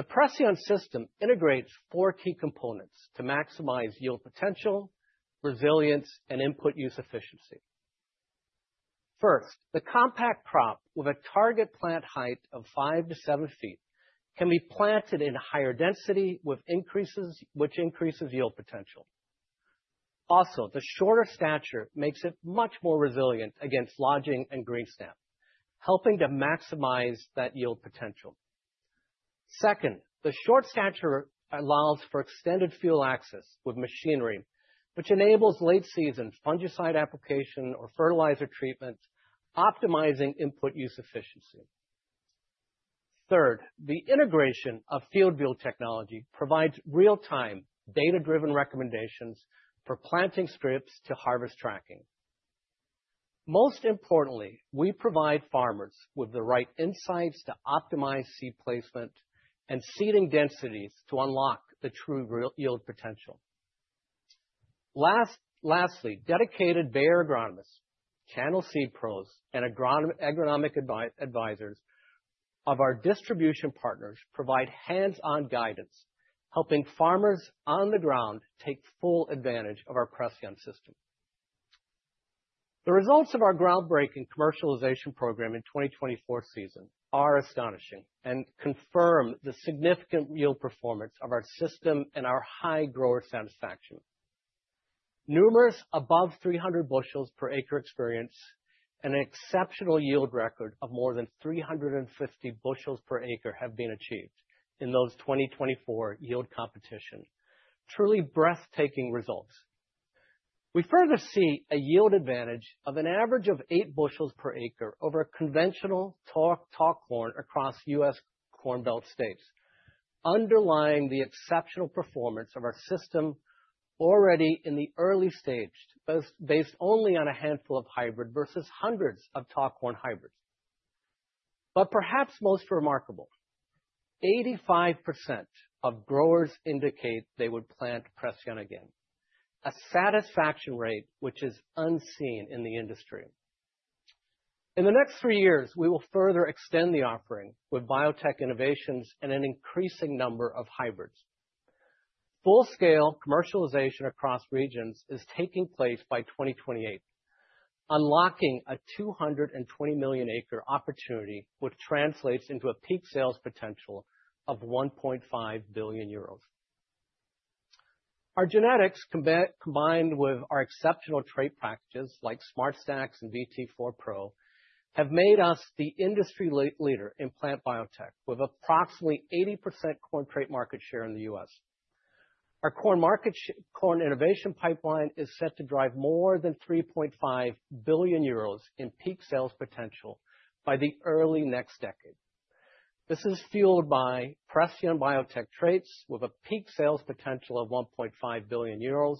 The PRECEON system integrates four key components to maximize yield potential, resilience, and input use efficiency. First, the compact crop with a target plant height of 5-7 ft can be planted in a higher density, which increases yield potential. Also, the shorter stature makes it much more resilient against lodging and green snap, helping to maximize that yield potential. Second, the short stature allows for extended field access with machinery, which enables late-season fungicide application or fertilizer treatment, optimizing input use efficiency. Third, the integration of FieldView technology provides real-time data-driven recommendations for planting scripts to harvest tracking. Most importantly, we provide farmers with the right insights to optimize seed placement and seeding densities to unlock the true yield potential. Lastly, dedicated Bayer agronomists, channel seed pros, and agronomic advisors of our distribution partners provide hands-on guidance, helping farmers on the ground take full advantage of our PRECEON system. The results of our groundbreaking commercialization program in the 2024 season are astonishing and confirm the significant yield performance of our system and our high grower satisfaction. Numerous above 300 bu per acre experience and an exceptional yield record of more than 350 bu per acre have been achieved in those 2024 yield competitions, truly breathtaking results. We further see a yield advantage of an average of 8 bu per acre over a conventional talc corn across U.S. Corn Belt states, underlying the exceptional performance of our system already in the early stage, based only on a handful of hybrids versus hundreds of talc corn hybrids. Perhaps most remarkable, 85% of growers indicate they would plant PRECEON again, a satisfaction rate which is unseen in the industry. In the next three years, we will further extend the offering with biotech innovations and an increasing number of hybrids. Full-scale commercialization across regions is taking place by 2028, unlocking a 220 million acre opportunity, which translates into a peak sales potential of EUUR 1.5 billion. Our genetics, combined with our exceptional trait practices like SmartStax and VT4PRO, have made us the industry leader in plant biotech, with approximately 80% corn trait market share in the U.S. Our corn market innovation pipeline is set to drive more than 3.5 billion euros in peak sales potential by the early next decade. This is fueled by PRECEON biotech traits with a peak sales potential of 1.5 billion euros,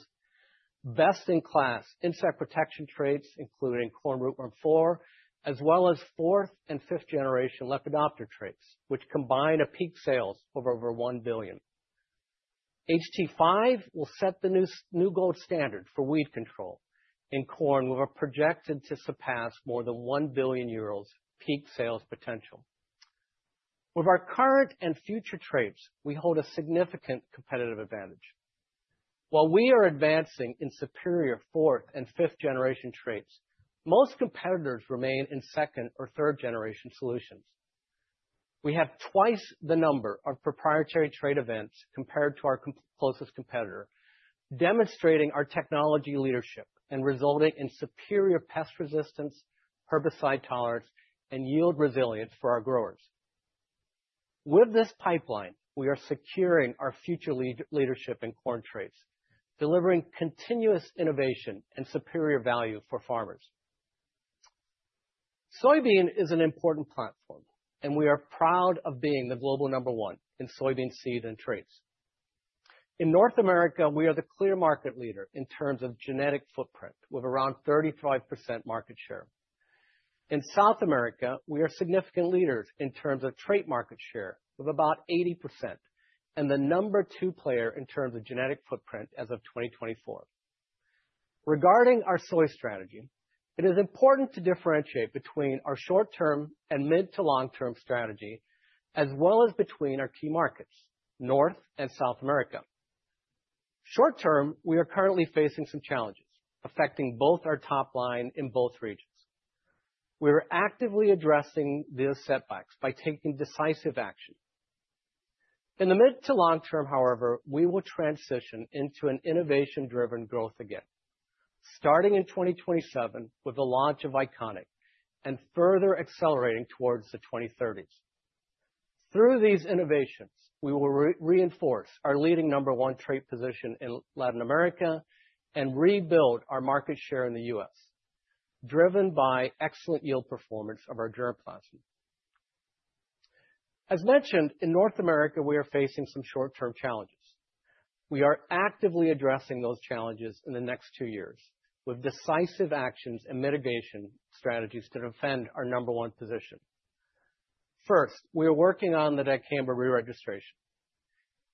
best-in-class insect protection traits, including corn rootworm 4, as well as fourth and fifth-generation LP adopter traits, which combine a peak sales of over 1 billion. HT5 will set the new gold standard for weed control in corn, with a projected to surpass more than 1 billion euros peak sales potential. With our current and future traits, we hold a significant competitive advantage. While we are advancing in superior fourth and fifth-generation traits, most competitors remain in second or third-generation solutions. We have twice the number of proprietary trait events compared to our closest competitor, demonstrating our technology leadership and resulting in superior pest resistance, herbicide tolerance, and yield resilience for our growers. With this pipeline, we are securing our future leadership in corn traits, delivering continuous innovation and superior value for farmers. Soybean is an important platform, and we are proud of being the global number one in soybean seed and traits. In North America, we are the clear market leader in terms of genetic footprint, with around 35% market share. In South America, we are significant leaders in terms of trait market share, with about 80%, and the number two player in terms of genetic footprint as of 2024. Regarding our soy strategy, it is important to differentiate between our short-term and mid-to-long-term strategy, as well as between our key markets, North and South America. Short-term, we are currently facing some challenges affecting both our top line in both regions. We are actively addressing these setbacks by taking decisive action. In the mid-to-long-term, however, we will transition into an innovation-driven growth again, starting in 2027 with the launch of Iconic and further accelerating towards the 2030s. Through these innovations, we will reinforce our leading number one trait position in Latin America and rebuild our market share in the U.S., driven by excellent yield performance of our germplasm. As mentioned, in North America, we are facing some short-term challenges. We are actively addressing those challenges in the next two years with decisive actions and mitigation strategies to defend our number one position. First, we are working on the Dicamba re-registration.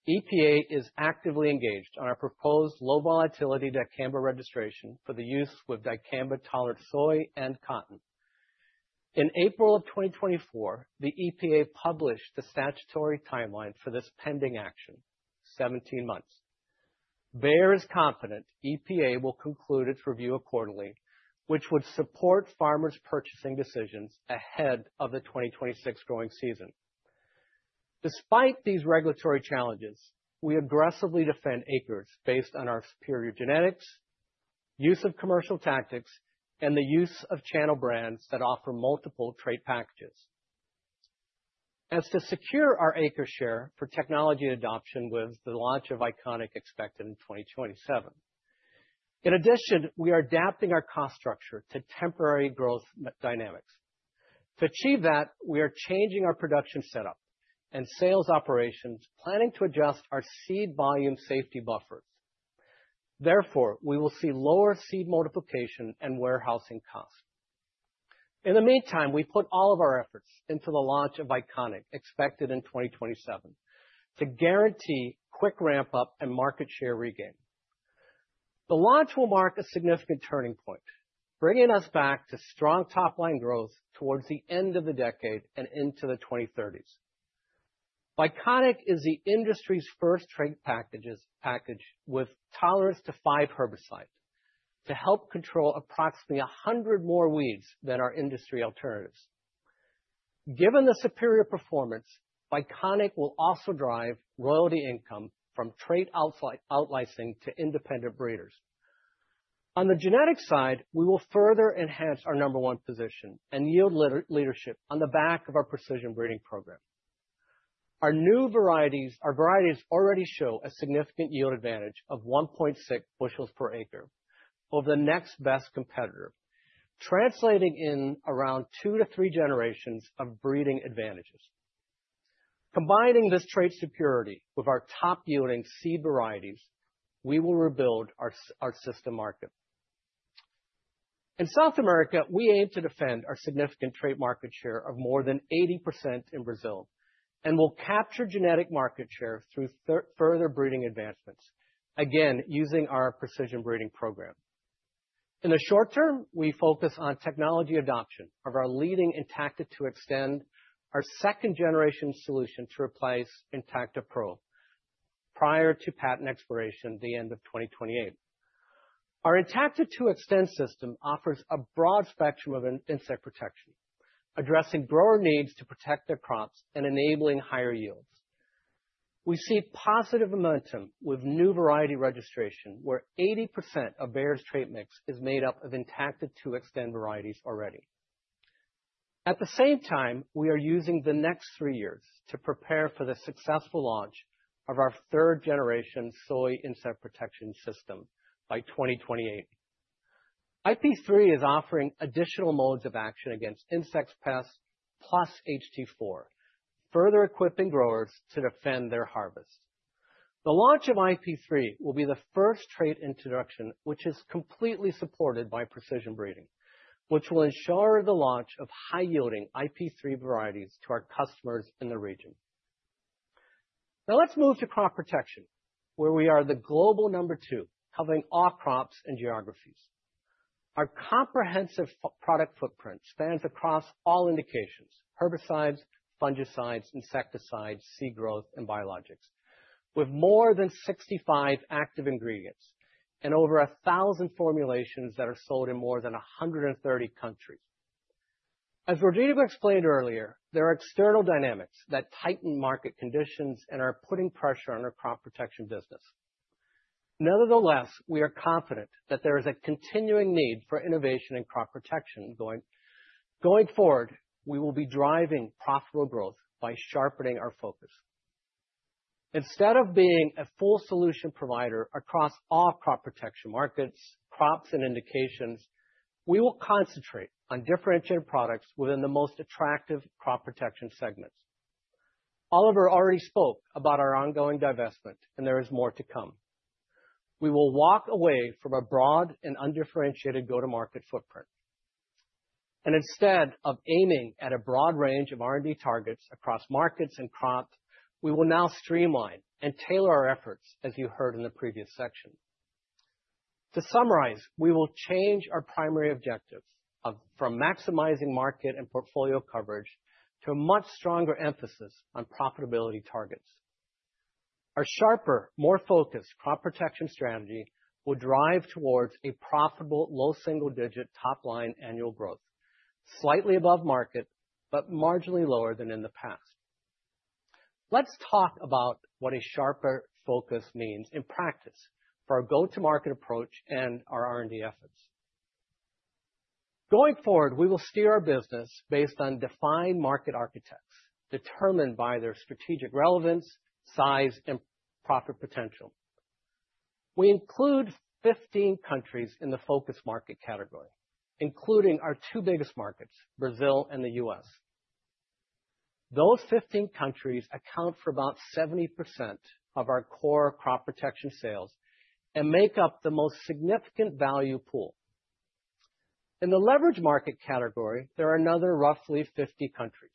EPA is actively engaged on our proposed low-volatility Dicamba registration for the use with Dicamba-tolerant soy and cotton. In April of 2024, the EPA published the statutory timeline for this pending action, 17 months. Bayer is confident EPA will conclude its review accordingly, which would support farmers' purchasing decisions ahead of the 2026 growing season. Despite these regulatory challenges, we aggressively defend acres based on our superior genetics, use of commercial tactics, and the use of channel brands that offer multiple trait packages to secure our acre share for technology adoption with the launch of Iconic expected in 2027. In addition, we are adapting our cost structure to temporary growth dynamics. To achieve that, we are changing our production setup and sales operations, planning to adjust our seed volume safety buffer. Therefore, we will see lower seed multiplication and warehousing costs. In the meantime, we put all of our efforts into the launch of Iconic expected in 2027 to guarantee quick ramp-up and market share regain. The launch will mark a significant turning point, bringing us back to strong top-line growth towards the end of the decade and into the 2030s. Iconic is the industry's first trait package with tolerance to five herbicides to help control approximately 100 more weeds than our industry alternatives. Given the superior performance, Iconic will also drive royalty income from trait outlicensing to independent breeders. On the genetic side, we will further enhance our number one position and yield leadership on the back of our PRECEON breeding program. Our new varieties already show a significant yield advantage of 1.6 bu per acre over the next best competitor, translating in around two to three generations of breeding advantages. Combining this trait security with our top yielding seed varieties, we will rebuild our system market. In South America, we aim to defend our significant trait market share of more than 80% in Brazil and will capture genetic market shares through further breeding advancements, again using our PRECEON breeding program. In the short term, we focus on technology adoption of our leading Intacta 2 Xtend, our second-generation solution to replace Intacta PRO prior to patent expiration at the end of 2028. Our Intacta 2 Xtend system offers a broad spectrum of insect protection, addressing grower needs to protect their crops and enabling higher yields. We see positive momentum with new variety registration, where 80% of Bayer's trait mix is made up of Intacta 2 Xtend varieties already. At the same time, we are using the next three years to prepare for the successful launch of our third-generation soy insect protection system by 2028. IP3 is offering additional modes of action against insect pests plus HT4, further equipping growers to defend their harvest. The launch of IP3 will be the first trait introduction, which is completely supported by PRECEON breeding, which will ensure the launch of high-yielding IP3 varieties to our customers in the region. Now let's move to crop protection, where we are the global number two, covering all crops and geographies. Our comprehensive product footprint spans across all indications: herbicides, fungicides, insecticides, seed growth, and biologicals, with more than 65 active ingredients and over 1,000 formulations that are sold in more than 130 countries. As Rodrigo explained earlier, there are external dynamics that tighten market conditions and are putting pressure on our crop protection business. Nevertheless, we are confident that there is a continuing need for innovation in crop protection. Going forward, we will be driving profitable growth by sharpening our focus. Instead of being a full solution provider across all crop protection markets, crops, and indications, we will concentrate on differentiated products within the most attractive crop protection segments. Oliver already spoke about our ongoing divestment, and there is more to come. We will walk away from a broad and undifferentiated go-to-market footprint. Instead of aiming at a broad range of R&D targets across markets and crops, we will now streamline and tailor our efforts, as you heard in the previous section. To summarize, we will change our primary objectives from maximizing market and portfolio coverage to a much stronger emphasis on profitability targets. Our sharper, more focused crop protection strategy will drive towards a profitable low single-digit top-line annual growth, slightly above market, but marginally lower than in the past. Let's talk about what a sharper focus means in practice for our go-to-market approach and our R&D efforts. Going forward, we will steer our business based on defined market architects, determined by their strategic relevance, size, and profit potential. We include 15 countries in the focus market category, including our two biggest markets, Brazil and the U.S. Those 15 countries account for about 70% of our core crop protection sales and make up the most significant value pool. In the leveraged market category, there are another roughly 50 countries,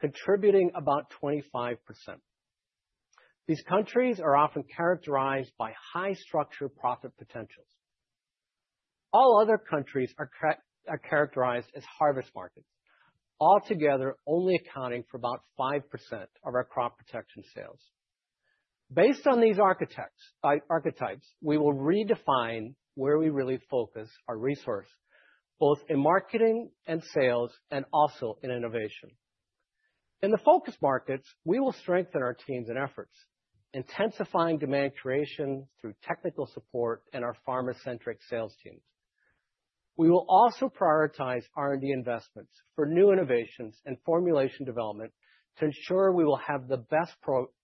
contributing about 25%. These countries are often characterized by high structured profit potentials. All other countries are characterized as harvest markets, altogether only accounting for about 5% of our crop protection sales. Based on these archetypes, we will redefine where we really focus our resource, both in marketing and sales, and also in innovation. In the focus markets, we will strengthen our teams and efforts, intensifying demand creation through technical support and our pharma-centric sales teams. We will also prioritize R&D investments for new innovations and formulation development to ensure we will have the best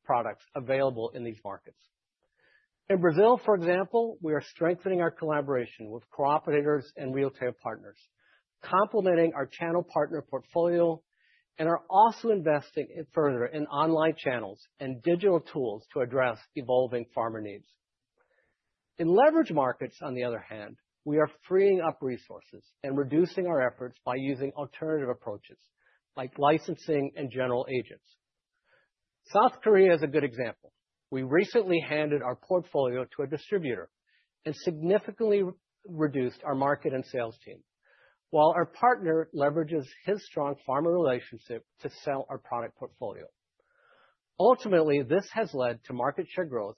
products available in these markets. In Brazil, for example, we are strengthening our collaboration with cooperators and retail partners, complementing our channel partner portfolio, and are also investing further in online channels and digital tools to address evolving farmer needs. In leveraged markets, on the other hand, we are freeing up resources and reducing our efforts by using alternative approaches, like licensing and general agents. South Korea is a good example. We recently handed our portfolio to a distributor and significantly reduced our market and sales team, while our partner leverages his strong farmer relationship to sell our product portfolio. Ultimately, this has led to market share growth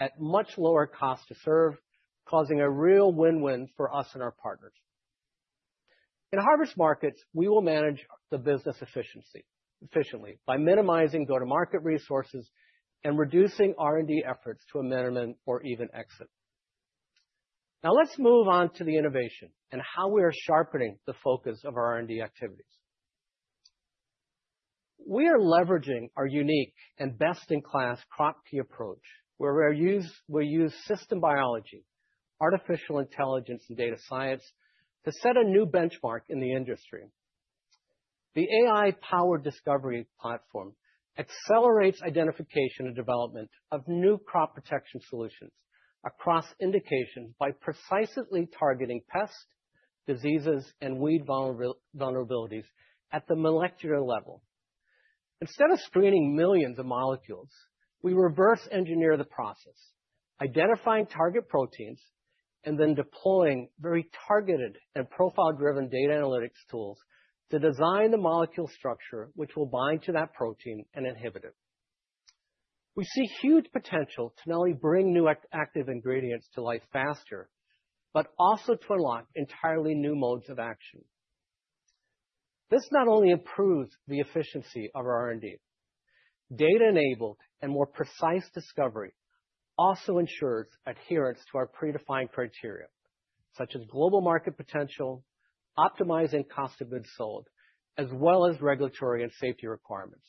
at much lower cost to serve, causing a real win-win for us and our partners. In harvest markets, we will manage the business efficiently by minimizing go-to-market resources and reducing R&D efforts to amendment or even exit. Now let's move on to the innovation and how we are sharpening the focus of our R&D activities. We are leveraging our unique and best-in-class crop key approach, where we use system biology, artificial intelligence, and data science to set a new benchmark in the industry. The AI-powered discovery platform accelerates identification and development of new crop protection solutions across indications by precisely targeting pests, diseases, and weed vulnerabilities at the molecular level. Instead of screening millions of molecules, we reverse engineer the process, identifying target proteins, and then deploying very targeted and profile-driven data analytics tools to design the molecule structure, which will bind to that protein and inhibit it. We see huge potential to not only bring new active ingredients to light faster, but also to unlock entirely new modes of action. This not only improves the efficiency of our R&D, data-enabled and more precise discovery also ensures adherence to our predefined criteria, such as global market potential, optimizing cost of goods sold, as well as regulatory and safety requirements.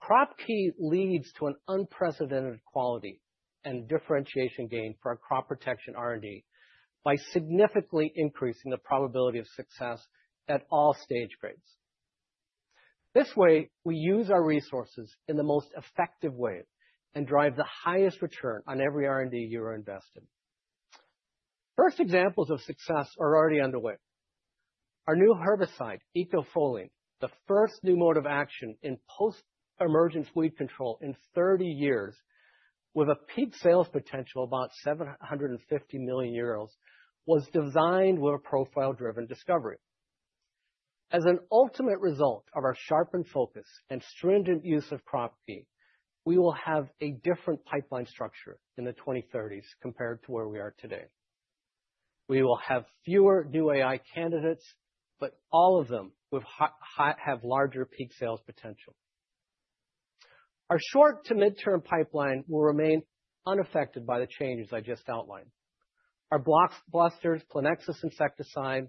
Crop key leads to an unprecedented quality and differentiation gain for our crop protection R&D by significantly increasing the probability of success at all stage gates. This way, we use our resources in the most effective way and drive the highest return on every R&D you are investing. First examples of success are already underway. Our new herbicide, Icafolin, the first new mode of action in post-emergence weed control in 30 years, with a peak sales potential of about 750 million euros, was designed with a profile-driven discovery. As an ultimate result of our sharpened focus and stringent use of crop key, we will have a different pipeline structure in the 2030s compared to where we are today. We will have fewer new AI candidates, but all of them will have larger peak sales potential. Our short to mid-term pipeline will remain unaffected by the changes I just outlined. Our blockbusters, Plenexos insecticide,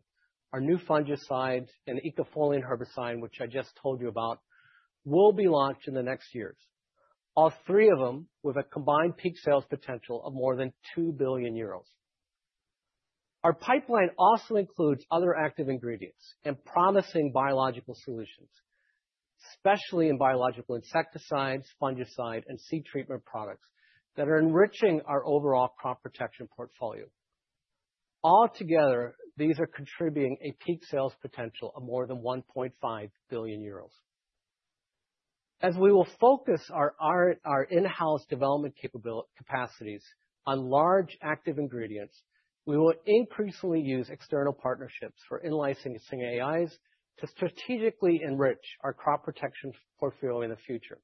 our new fungicides, and the Icafolin herbicide, which I just told you about, will be launched in the next years, all three of them with a combined peak sales potential of more than 2 billion euros. Our pipeline also includes other active ingredients and promising biological solutions, especially in biological insecticides, fungicide, and seed treatment products that are enriching our overall crop protection portfolio. Altogether, these are contributing a peak sales potential of more than 1.5 billion euros. As we will focus our in-house development capacities on large active ingredients, we will increasingly use external partnerships for in-licensing AIs to strategically enrich our crop protection portfolio in the future.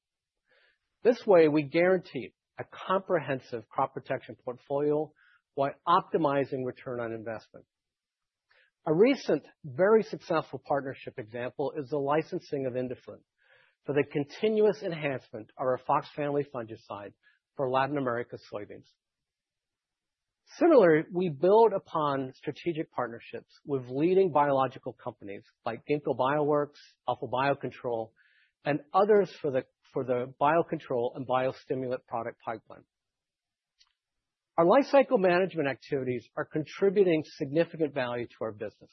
This way, we guarantee a comprehensive crop protection portfolio while optimizing return on investment. A recent, very successful partnership example is the licensing of Indiflin for the continuous enhancement of our Fox family fungicide for Latin America soybeans. Similarly, we build upon strategic partnerships with leading biological companies like Ginkgo Bioworks, Alpha Biocontrol, and others for the biocontrol and biostimulant product pipeline. Our lifecycle management activities are contributing significant value to our business,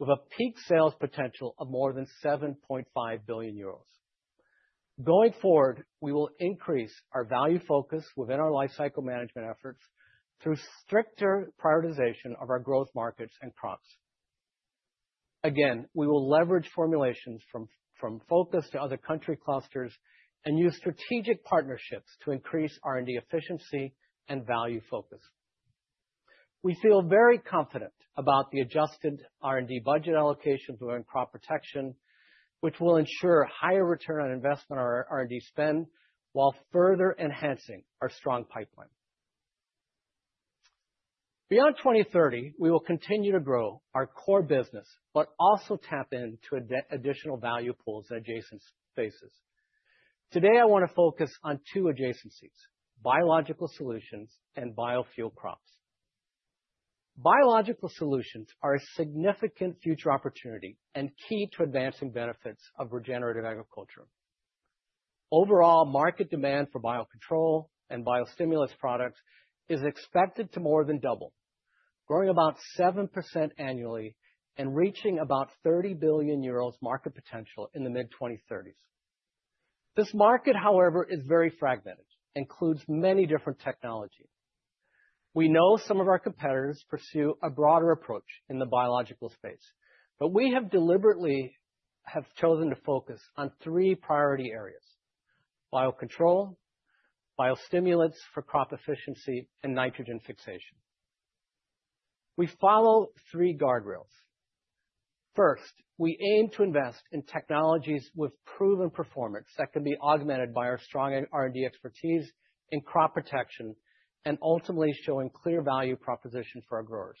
with a peak sales potential of more than 7.5 billion euros. Going forward, we will increase our value focus within our lifecycle management efforts through stricter prioritization of our growth markets and crops. We will leverage formulations from focus to other country clusters and use strategic partnerships to increase R&D efficiency and value focus. We feel very confident about the adjusted R&D budget allocation to our crop protection, which will ensure higher return on investment on our R&D spend while further enhancing our strong pipeline. Beyond 2030, we will continue to grow our core business, but also tap into additional value pools and adjacent spaces. Today, I want to focus on two adjacencies: biological solutions and biofuel crops. Biological solutions are a significant future opportunity and key to advancing benefits of regenerative agriculture. Overall, market demand for biocontrol and biostimulant products is expected to more than double, growing about 7% annually and reaching about 30 billion euros market potential in the mid-2030s. This market, however, is very fragmented and includes many different technologies. We know some of our competitors pursue a broader approach in the biological space, but we have deliberately chosen to focus on three priority areas: biocontrol, biostimulants for crop efficiency, and nitrogen fixation. We follow three guardrails. First, we aim to invest in technologies with proven performance that can be augmented by our strong R&D expertise in crop protection and ultimately showing clear value proposition for our growers.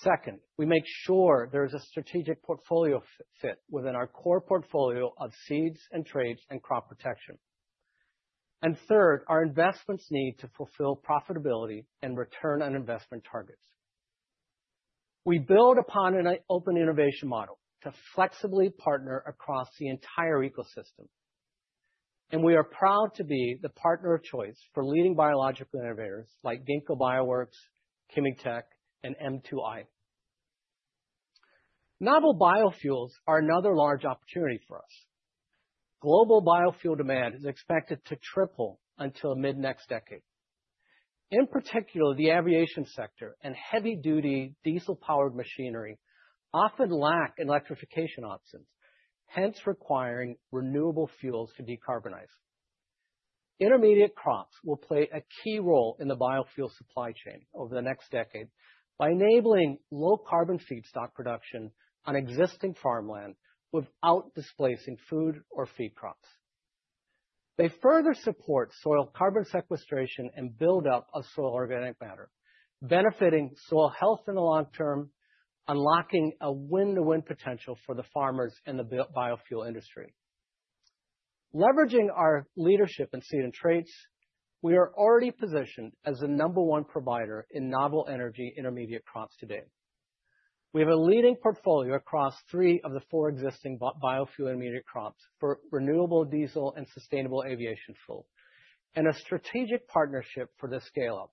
Second, we make sure there is a strategic portfolio fit within our core portfolio of seeds and traits and crop protection. Third, our investments need to fulfill profitability and return on investment targets. We build upon an open innovation model to flexibly partner across the entire ecosystem. We are proud to be the partner of choice for leading biological innovators like Ginkgo Bioworks, Kimitec, and M2i. Novel biofuels are another large opportunity for us. Global biofuel demand is expected to triple until mid-next decade. In particular, the aviation sector and heavy-duty diesel-powered machinery often lack electrification options, hence requiring renewable fuels to decarbonize. Intermediate crops will play a key role in the biofuels supply chain over the next decade by enabling low-carbon feedstock production on existing farmland without displacing food or feed crops. They further support soil carbon sequestration and buildup of soil organic matter, benefiting soil health in the long-term, unlocking a win-to-win potential for the farmers and the biofuels industry. Leveraging our leadership in seeds and traits, we are already positioned as the number one provider in novel energy intermediate crops today. We have a leading portfolio across three of the four existing biofuels intermediate crops for renewable diesel and sustainable aviation fuel and a strategic partnership for this scale-up.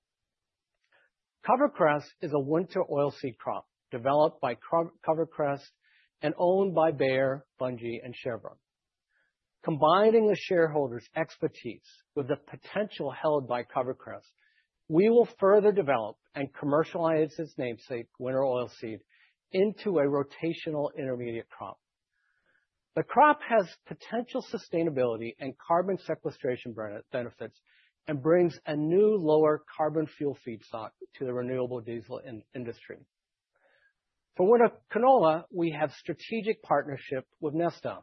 CoverCress is a winter oilseed crop developed by CoverCress and owned by Bayer, Bunge, and Chevron. Combining the shareholders' expertise with the potential held by CoverCress, we will further develop and commercialize its namesake winter oilseed into a rotational intermediate crop. The crop has potential sustainability and carbon sequestration benefits and brings a new lower carbon fuel feedstock to the renewable diesel industry. For winter canola, we have a strategic partnership with Neste,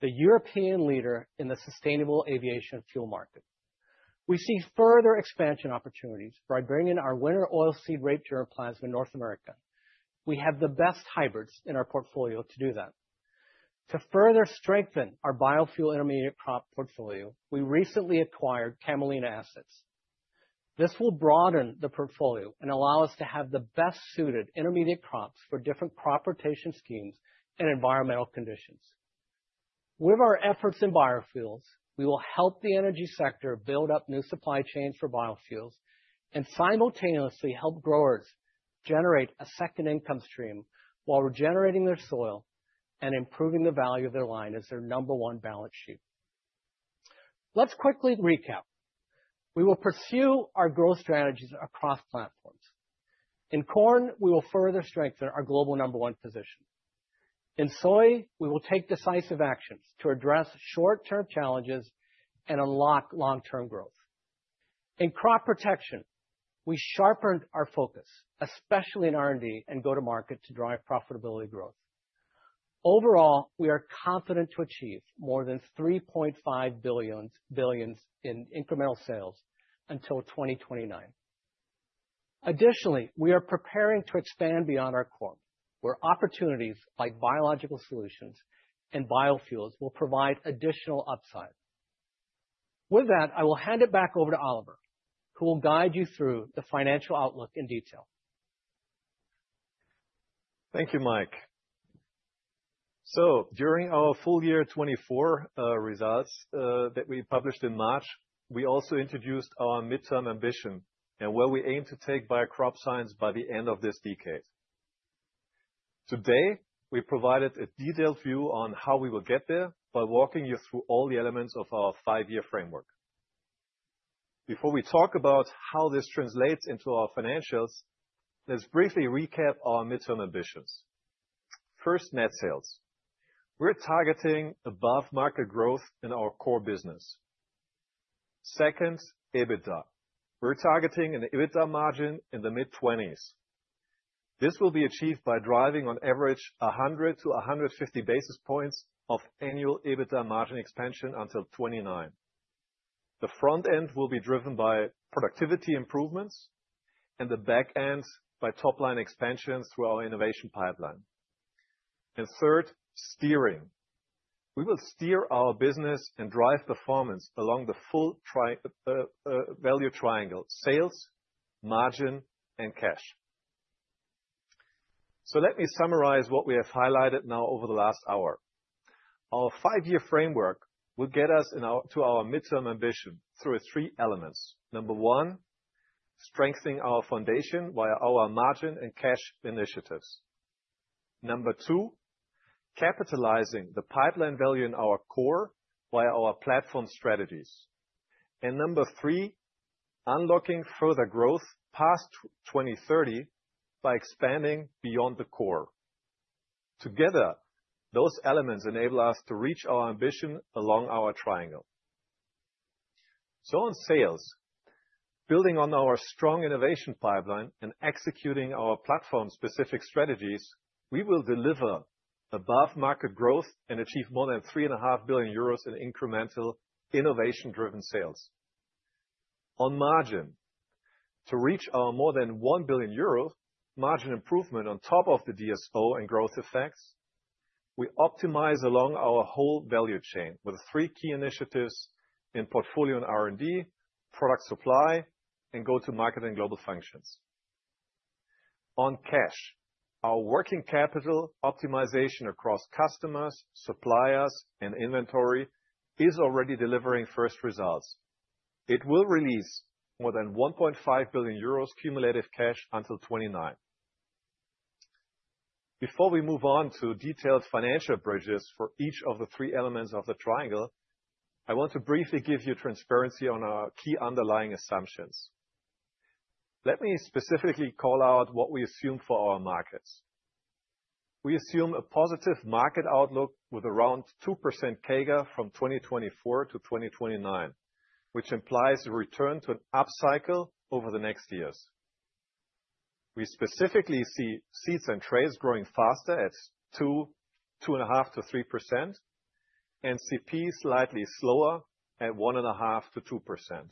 the European leader in the sustainable aviation fuel market. We see further expansion opportunities by bringing our winter oilseed rape germplasm in North America. We have the best hybrids in our portfolio to do that. To further strengthen our biofuels intermediate crop portfolio, we recently acquired Camelina assets. This will broaden the portfolio and allow us to have the best suited intermediate crops for different crop rotation schemes and environmental conditions. With our efforts in biofuels, we will help the energy sector build up new supply chains for biofuels and simultaneously help growers generate a second income stream while regenerating their soil and improving the value of their land as their number one balance sheet. Let's quickly recap. We will pursue our growth strategies across platforms. In corn, we will further strengthen our global number one position. In soy, we will take decisive actions to address short-term challenges and unlock long-term growth. In crop protection, we sharpened our focus, especially in R&D and go-to-market to drive profitability growth. Overall, we are confident to achieve more than $3.5 billion in incremental sales until 2029. Additionally, we are preparing to expand beyond our core, where opportunities like biologicals and biofuels will provide additional upside. With that, I will hand it back over to Oliver, who will guide you through the financial outlook in detail. Thank you, Mike. During our full year 2024 results that we published in March, we also introduced our mid-term ambition and where we aim to take Bayer Crop Science by the end of this decade. Today, we provided a detailed view on how we will get there by walking you through all the elements of our five-year framework. Before we talk about how this translates into our financials, let's briefly recap our midterm ambitions. First, net sales. We're targeting above-market growth in our core business. Second, EBITDA. We're targeting an EBITDA margin in the mid-20s. This will be achieved by driving on average 100-150 basis points of annual EBITDA margin expansion until 2029. The front end will be driven by productivity improvements and the back end by top-line expansions through our innovation pipeline. Third, steering. We will steer our business and drive performance along the full value triangle: sales, margin, and cash. Let me summarize what we have highlighted now over the last hour. Our five-year framework will get us to our mid-term ambition through three elements. Number one, strengthening our foundation via our margin and cash initiatives. Number two, capitalizing the pipeline value in our core via our platform strategies. Number three, unlocking further growth past 2030 by expanding beyond the core. Together, those elements enable us to reach our ambition along our triangle. On sales, building on our strong innovation pipeline and executing our platform-specific strategies, we will deliver above-market growth and achieve more than 3.5 billion euros in incremental innovation-driven sales. On margin, to reach our more than 1 billion euro margin improvement on top of the DSO and growth effects, we optimize along our whole value chain with three key initiatives in portfolio and R&D, product supply, and go-to-market and global functions. On cash, our working capital optimization across customers, suppliers, and inventory is already delivering first results. It will release more than 1.5 billion euros cumulative cash until 2029. Before we move on to detailed financial bridges for each of the three elements of the triangle, I want to briefly give you transparency on our key underlying assumptions. Let me specifically call out what we assume for our markets. We assume a positive market outlook with around 2% CAGR from 2024 to 2029, which implies a return to an upcycle over the next years. We specifically see seeds and traits growing faster at 2%, 2.5% to 3%, and CP slightly slower at 1.5% to 2%.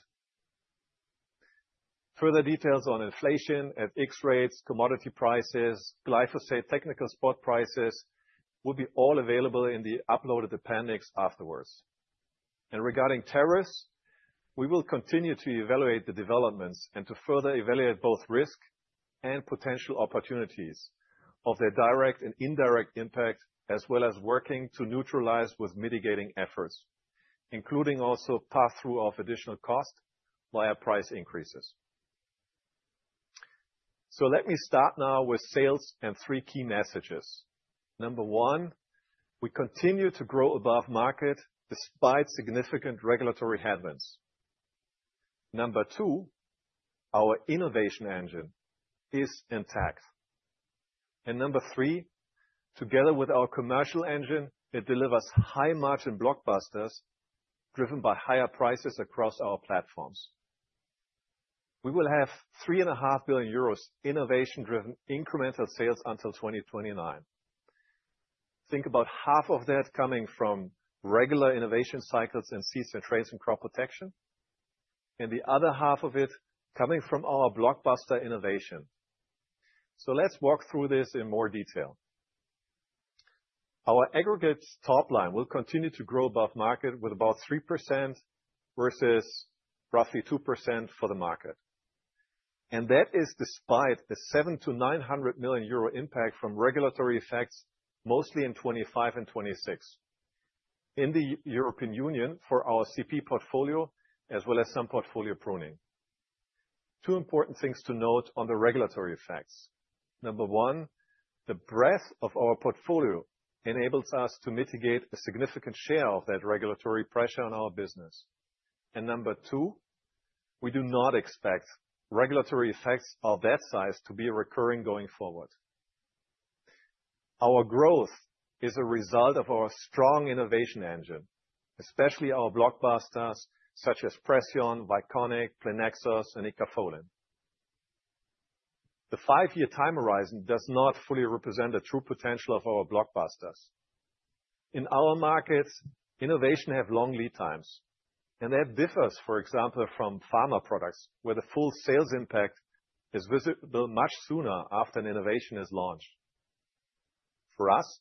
Further details on inflation at X rates, commodity prices, glyphosate technical spot prices will be all available in the uploaded appendix afterwards. Regarding tariffs, we will continue to evaluate the developments and to further evaluate both risk and potential opportunities of their direct and indirect impact, as well as working to neutralize with mitigating efforts, including also pass-through of additional cost via price increases. Let me start now with sales and three key messages. Number one, we continue to grow above market despite significant regulatory headwinds. Number two, our innovation engine is intact. Number three, together with our commercial engine, it delivers high margin blockbusters driven by higher prices across our platforms. We will have 3.5 billion euros innovation-driven incremental sales until 2029. Think about half of that coming from regular innovation cycles in seeds and traits and crop protection, and the other half of it coming from our blockbuster innovation. Let's walk through this in more detail. Our aggregate top line will continue to grow above market with about 3% versus roughly 2% for the market. That is despite the 700 million-€900 million impact from regulatory effects, mostly in 2025 and 2026, in the European Union for our CP portfolio, as well as some portfolio pruning. Two important things to note on the regulatory effects. Number one, the breadth of our portfolio enables us to mitigate a significant share of that regulatory pressure on our business. Number two, we do not expect regulatory effects of that size to be recurring going forward. Our growth is a result of our strong innovation engine, especially our blockbusters such as PRECEON, Vyconic, Plenexos, and Icafolin. The five-year time horizon does not fully represent the true potential of our blockbusters. In our markets, innovation has long lead times, and that differs, for example, from pharma products, where the full sales impact is visible much sooner after an innovation is launched. For us,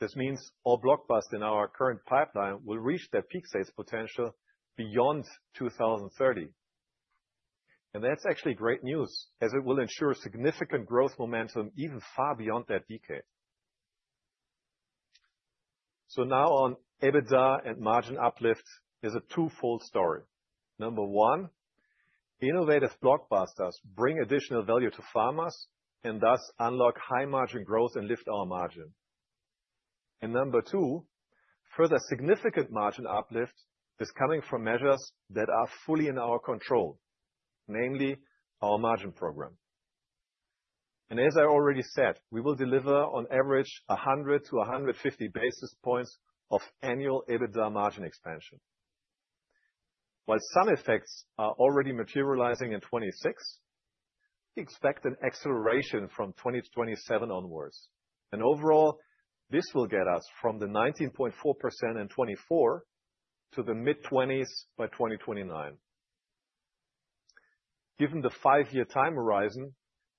this means our blockbuster in our current pipeline will reach their peak sales potential beyond 2030. That is actually great news, as it will ensure significant growth momentum even far beyond that decade. Now on EBITDA and margin uplift, it's a two-fold story. Number one, innovative blockbusters bring additional value to farmers and thus unlock high margin growth and lift our margin. Number two, further significant margin uplift is coming from measures that are fully in our control, namely our margin program. As I already said, we will deliver on average 100-150 basis points of annual EBITDA margin expansion. While some effects are already materializing in 2026, we expect an acceleration from 2027 onwards. Overall, this will get us from the 19.4% in 2024 to the mid-20s by 2029. Given the five-year time horizon,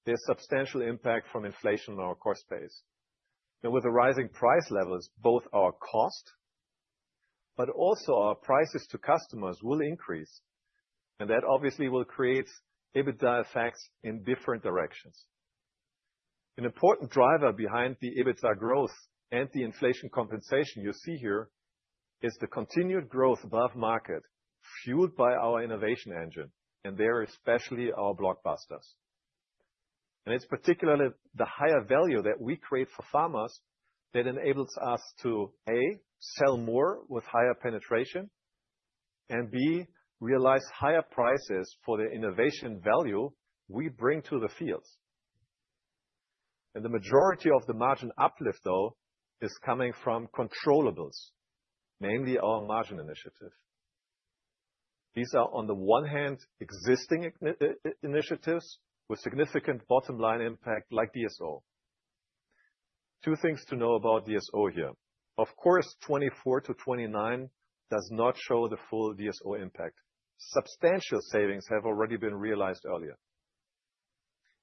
there's substantial impact from inflation in our cost base. With the rising price levels, both our cost but also our prices to customers will increase, and that obviously will create EBITDA effects in different directions. An important driver behind the EBITDA growth and the inflation compensation you see here is the continued growth above market fueled by our innovation engine, and there especially our blockbusters. It's particularly the higher value that we create for farmers that enables us to, A, sell more with higher penetration, and B, realize higher prices for the innovation value we bring to the fields. The majority of the margin uplift, though, is coming from controllables, namely our margin initiative. These are, on the one hand, existing initiatives with significant bottom line impact like DSO. Two things to know about DSO here. Of course, 2024 to 2029 does not show the full DSO impact. Substantial savings have already been realized earlier.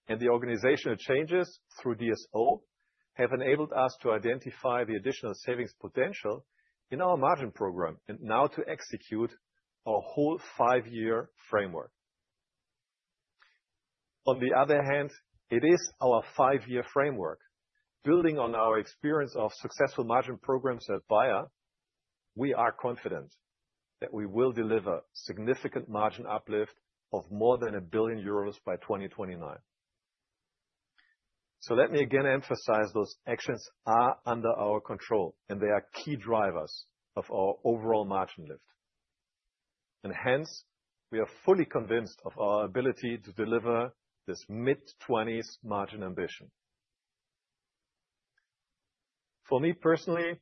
The organizational changes through DSO have enabled us to identify the additional savings potential in our margin program and now to execute our whole five-year framework. On the other hand, it is our five-year framework. Building on our experience of successful margin programs at Bayer, we are confident that we will deliver significant margin uplift of more than 1 billion euros by 2029. Let me again emphasize those actions are under our control, and they are key drivers of our overall margin lift. Hence, we are fully convinced of our ability to deliver this mid-20s margin ambition. For me personally,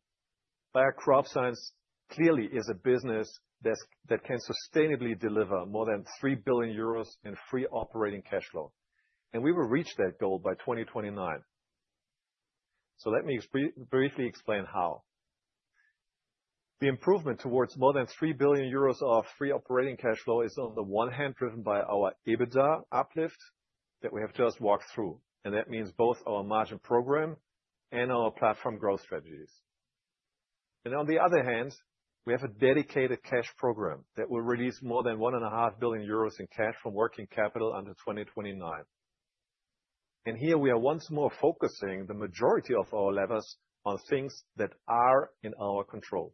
Bayer Crop Science clearly is a business that can sustainably deliver more than 3 billion euros in free operating cash flow. We will reach that goal by 2029. Let me briefly explain how. The improvement towards more than 3 billion euros of free operating cash flow is, on the one hand, driven by our EBITDA uplift that we have just walked through. That means both our margin program and our platform growth strategies. On the other hand, we have a dedicated cash program that will release more than EUR .5 billion in cash from working capital until 2029. Here we are once more focusing the majority of our levers on things that are in our control.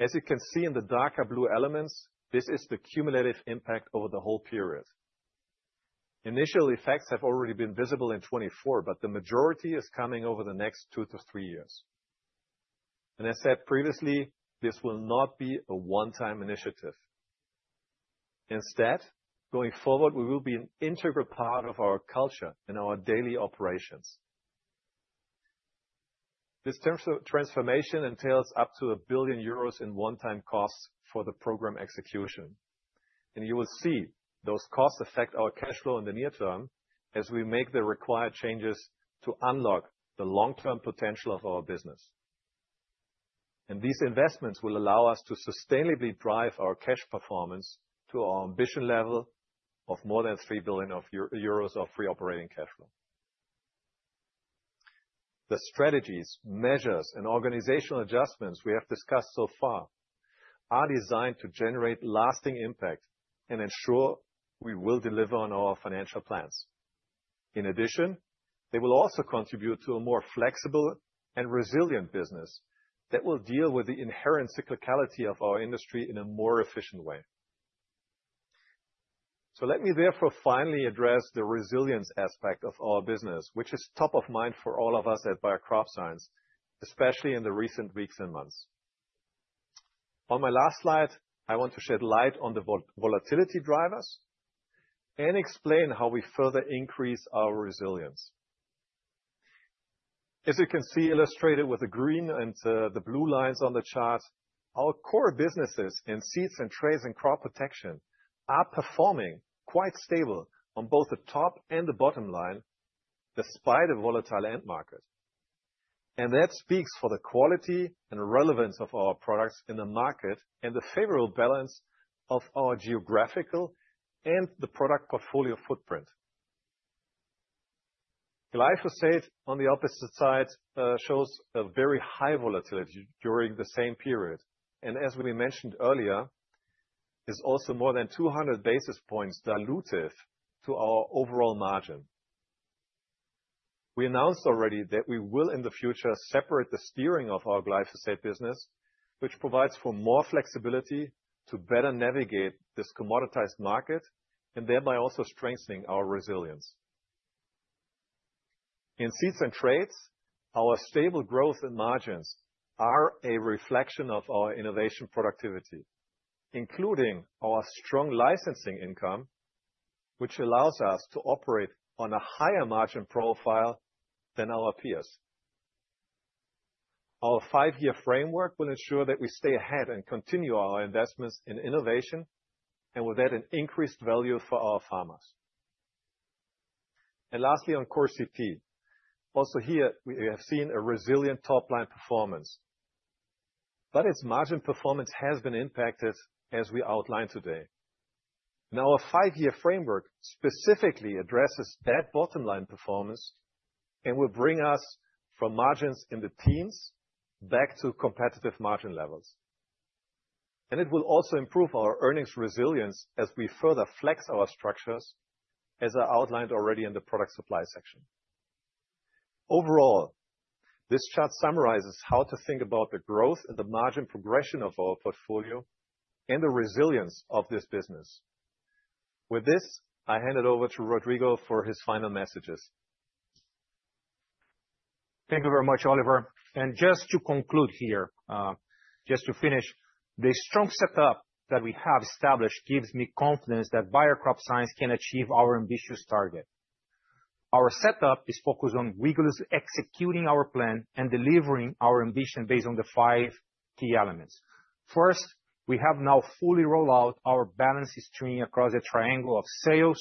As you can see in the darker blue elements, this is the cumulative impact over the whole period. Initial effects have already been visible in 2024, but the majority is coming over the next two to three years. As I said previously, this will not be a one-time initiative. Going forward, it will be an integral part of our culture and our daily operations. This transformation entails up to 1 billion euros in one-time costs for the program execution. You will see those costs affect our cash flow in the near term as we make the required changes to unlock the long-term potential of our business. These investments will allow us to sustainably drive our cash performance to our ambition level of more than 3 billion euros of free operating cash flow. The strategies, measures, and organizational adjustments we have discussed so far are designed to generate lasting impact and ensure we will deliver on our financial plans. In addition, they will also contribute to a more flexible and resilient business that will deal with the inherent cyclicality of our industry in a more efficient way. Let me therefore finally address the resilience aspect of our business, which is top of mind for all of us at Bayer Crop Science, especially in the recent weeks and months. On my last slide, I want to shed light on the volatility drivers and explain how we further increase our resilience. As you can see, illustrated with the green and the blue lines on the chart, our core businesses in seeds and traits and crop protection are performing quite stable on both the top and the bottom line despite a volatile end market. That speaks for the quality and relevance of our products in the market and the favorable balance of our geographical and the product portfolio footprint. Glyphosate on the opposite side shows a very high volatility during the same period. As we mentioned earlier, it's also more than 200 basis points dilutive to our overall margin. We announced already that we will in the future separate the steering of our glyphosate business, which provides for more flexibility to better navigate this commoditized market and thereby also strengthening our resilience. In seeds and traits, our stable growth and margins are a reflection of our innovation productivity, including our strong licensing income, which allows us to operate on a higher margin profile than our peers. Our five-year framework will ensure that we stay ahead and continue our investments in innovation and will add an increased value for our farmers. Lastly, on CORE CP, also here we have seen a resilient top-line performance. Its margin performance has been impacted as we outlined today. Now our five-year framework specifically addresses that bottom-line performance and will bring us from margins in the teens back to competitive margin levels. It will also improve our earnings resilience as we further flex our structures, as I outlined already in the product supply section. Overall, this chart summarizes how to think about the growth and the margin progression of our portfolio and the resilience of this business. With this, I hand it over to Rodrigo for his final messages. Thank you very much, Oliver. Just to conclude here, just to finish, the strong setup that we have established gives me confidence that Bayer Crop Science can achieve our ambitious target. Our setup is focused on rigorously executing our plan and delivering our ambition based on the five key elements. First, we have now fully rolled out our balance sheet stream across the triangle of sales,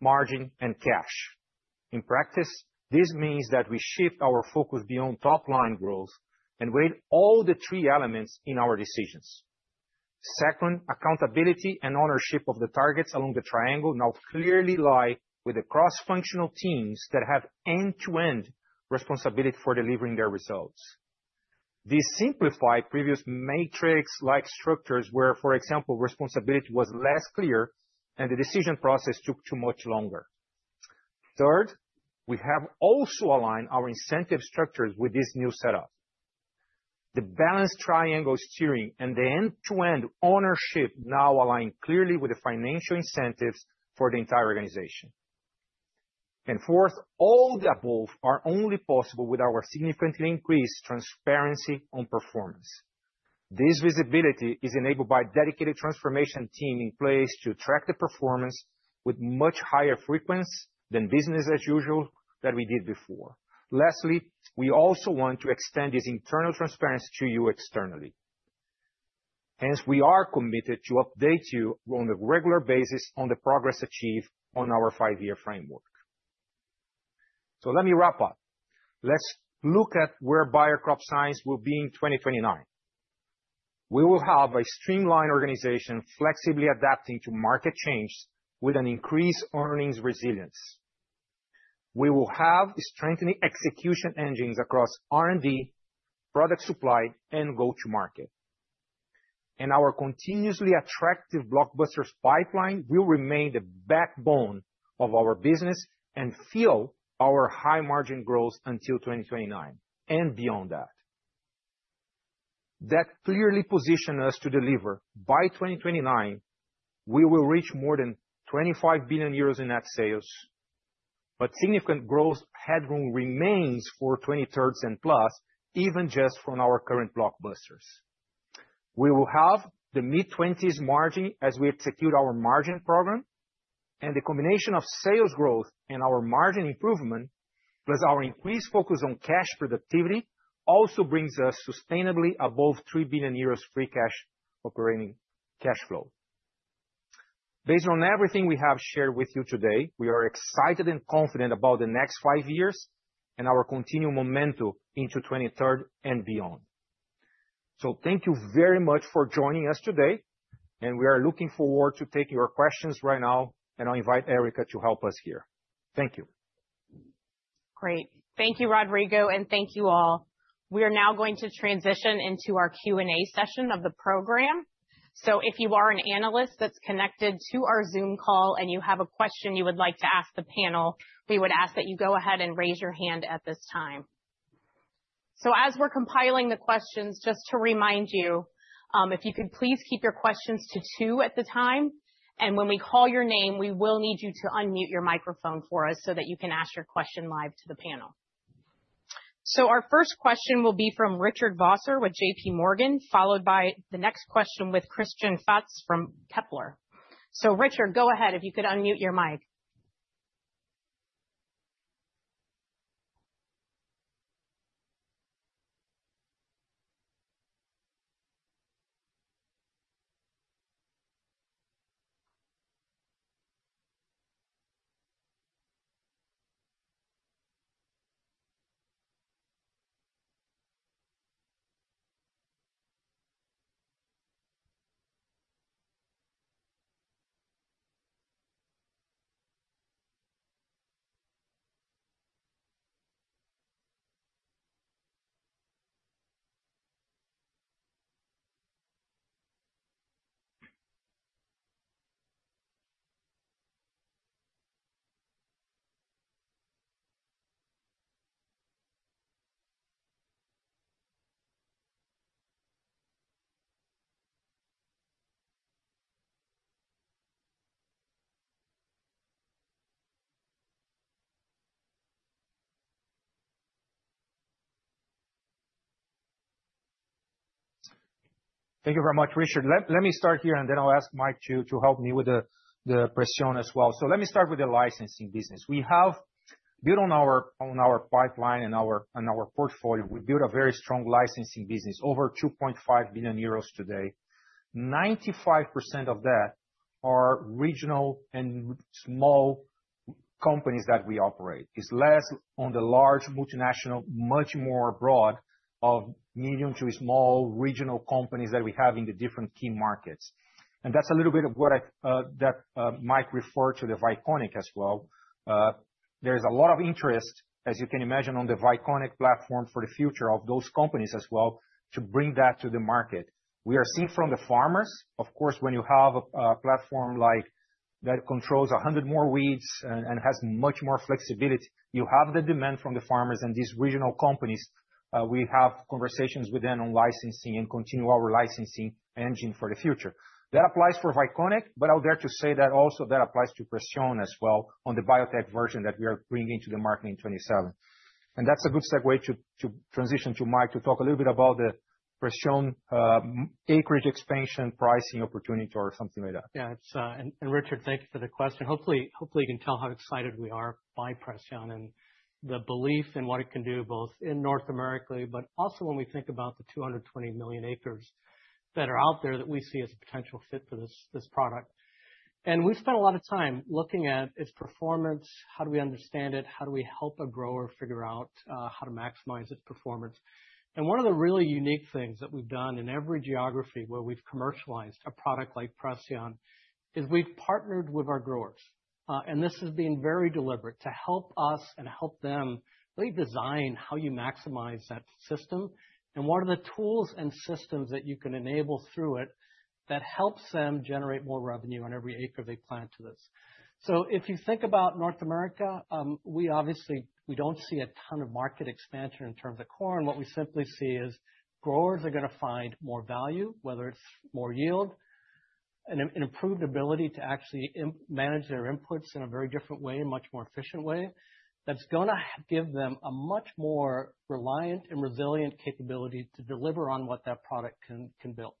margin, and cash. In practice, this means that we shift our focus beyond top-line growth and weighed all the three elements in our decisions. Second, accountability and ownership of the targets along the triangle now clearly lie with the cross-functional teams that have end-to-end responsibility for delivering their results. These simplify previous matrix-like structures where, for example, responsibility was less clear and the decision process took much longer. Third, we have also aligned our incentive structures with this new setup. The balanced triangle steering and the end-to-end ownership now align clearly with the financial incentives for the entire organization. Fourth, all the above are only possible with our significantly increased transparency on performance. This visibility is enabled by a dedicated transformation team in place to track the performance with much higher frequency than business as usual that we did before. Lastly, we also want to extend this internal transparency to you externally. Hence, we are committed to update you on a regular basis on the progress achieved on our five-year framework. Let me wrap up. Let's look at where Bayer Crop Science will be in 2029. We will have a streamlined organization flexibly adapting to market change with an increased earnings resilience. We will have strengthening execution engines across R&D, product supply, and go-to-market. Our continuously attractive blockbusters pipeline will remain the backbone of our business and fuel our high margin growth until 2029 and beyond that. That clearly positions us to deliver by 2029. We will reach more than 25 billion euros in net sales, but significant growth headroom remains for 23%+ even just from our current blockbusters. We will have the mid-20s margin as we execute our margin program, and the combination of sales growth and our margin improvement, plus our increased focus on cash productivity, also brings us sustainably above 3 billion euros free operating cash flow. Based on everything we have shared with you today, we are excited and confident about the next five years and our continued momentum into 2023 and beyond. Thank you very much for joining us today, and we are looking forward to taking your questions right now, and I'll invite Erica to help us here. Thank you. Great. Thank you, Rodrigo, and thank you all. We are now going to transition into our Q&A session of the program. If you are an analyst that's connected to our Zoom call and you have a question you would like to ask the panel, we would ask that you go ahead and raise your hand at this time. As we're compiling the questions, just to remind you, if you could please keep your questions to two at the time, and when we call your name, we will need you to unmute your microphone for us so that you can ask your question live to the panel. Our first question will be from Richard Vosser with JPMorgan, followed by the next question with Christian Faitz from Kepler. Richard, go ahead. If you could unmute your mic. Thank you very much, Richard. Let me start here, and then I'll ask Mike to help me with the PRECEON as well. Let me start with the licensing business. We have built on our pipeline and our portfolio, we built a very strong licensing business, over 2.5 billion euros today. 95% of that are regional and small companies that we operate. It's less on the large multinational, much more broad of medium to small regional companies that we have in the different key markets. That's a little bit of what Mike referred to, the Vyconic as well. There's a lot of interest, as you can imagine, on the Vyconic platform for the future of those companies as well to bring that to the market. We are seeing from the farmers, of course, when you have a platform like that controls 100 more weeds and has much more flexibility, you have the demand from the farmers and these regional companies. We have conversations with them on licensing and continue our licensing engine for the future. That applies for Vyconic, but I'll dare to say that also that applies to PRECEON as well on the biotech version that we are bringing to the market in 2027. That's a good segue to transition to Mike to talk a little bit about the PRECEON acreage expansion pricing opportunity or something like that. Yeah, and Richard, thank you for the question. Hopefully, you can tell how excited we are by PRECEON and the belief in what it can do both in North America, but also when we think about the 220 million acres that are out there that we see as a potential fit for this product. We spent a lot of time looking at its performance, how do we understand it, how do we help a grower figure out how to maximize its performance. One of the really unique things that we've done in every geography where we've commercialized a product like PRECEON is we've partnered with our growers. This has been very deliberate to help us and help them redesign how you maximize that system and what are the tools and systems that you can enable through it that helps them generate more revenue on every acre they plant to this. If you think about North America, we obviously don't see a ton of market expansion in terms of corn. What we simply see is growers are going to find more value, whether it's more yield, and an improved ability to actually manage their inputs in a very different way, a much more efficient way that's going to give them a much more reliant and resilient capability to deliver on what that product can build.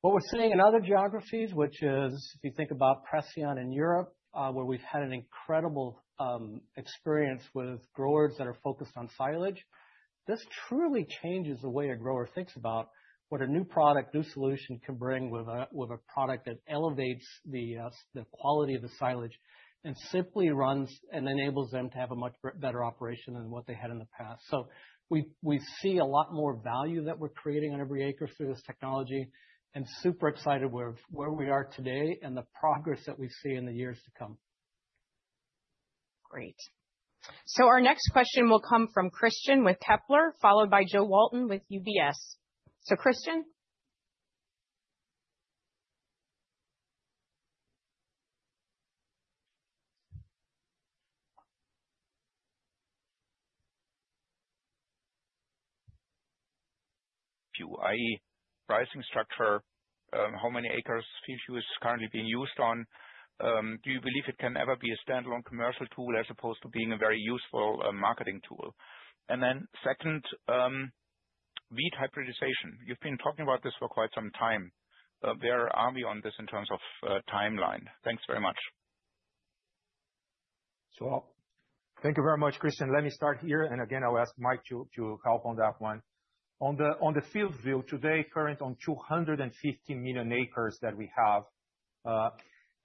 What we're seeing in other geographies, which is if you think about PRECEON in Europe, where we've had an incredible experience with growers that are focused on silage, this truly changes the way a grower thinks about what a new product, new solution can bring with a product that elevates the quality of the silage and simply runs and enables them to have a much better operation than what they had in the past. We see a lot more value that we're creating on every acre through this technology and super excited where we are today and the progress that we see in the years to come. Great. Our next question will come from Christian with Kepler, followed by Jo Walton with UBS. Christian. If you, i.e., pricing structure, how many acres is currently being used on, do you believe it can ever be a standalone commercial tool as opposed to being a very useful marketing tool? Second, weed hybridization. You've been talking about this for quite some time. Where are we on this in terms of timeline? Thanks very much. Thank you very much, Christian. Let me start here, and again, I'll ask Mike to help on that one. On the FieldView, today's current on 215 million acres that we have,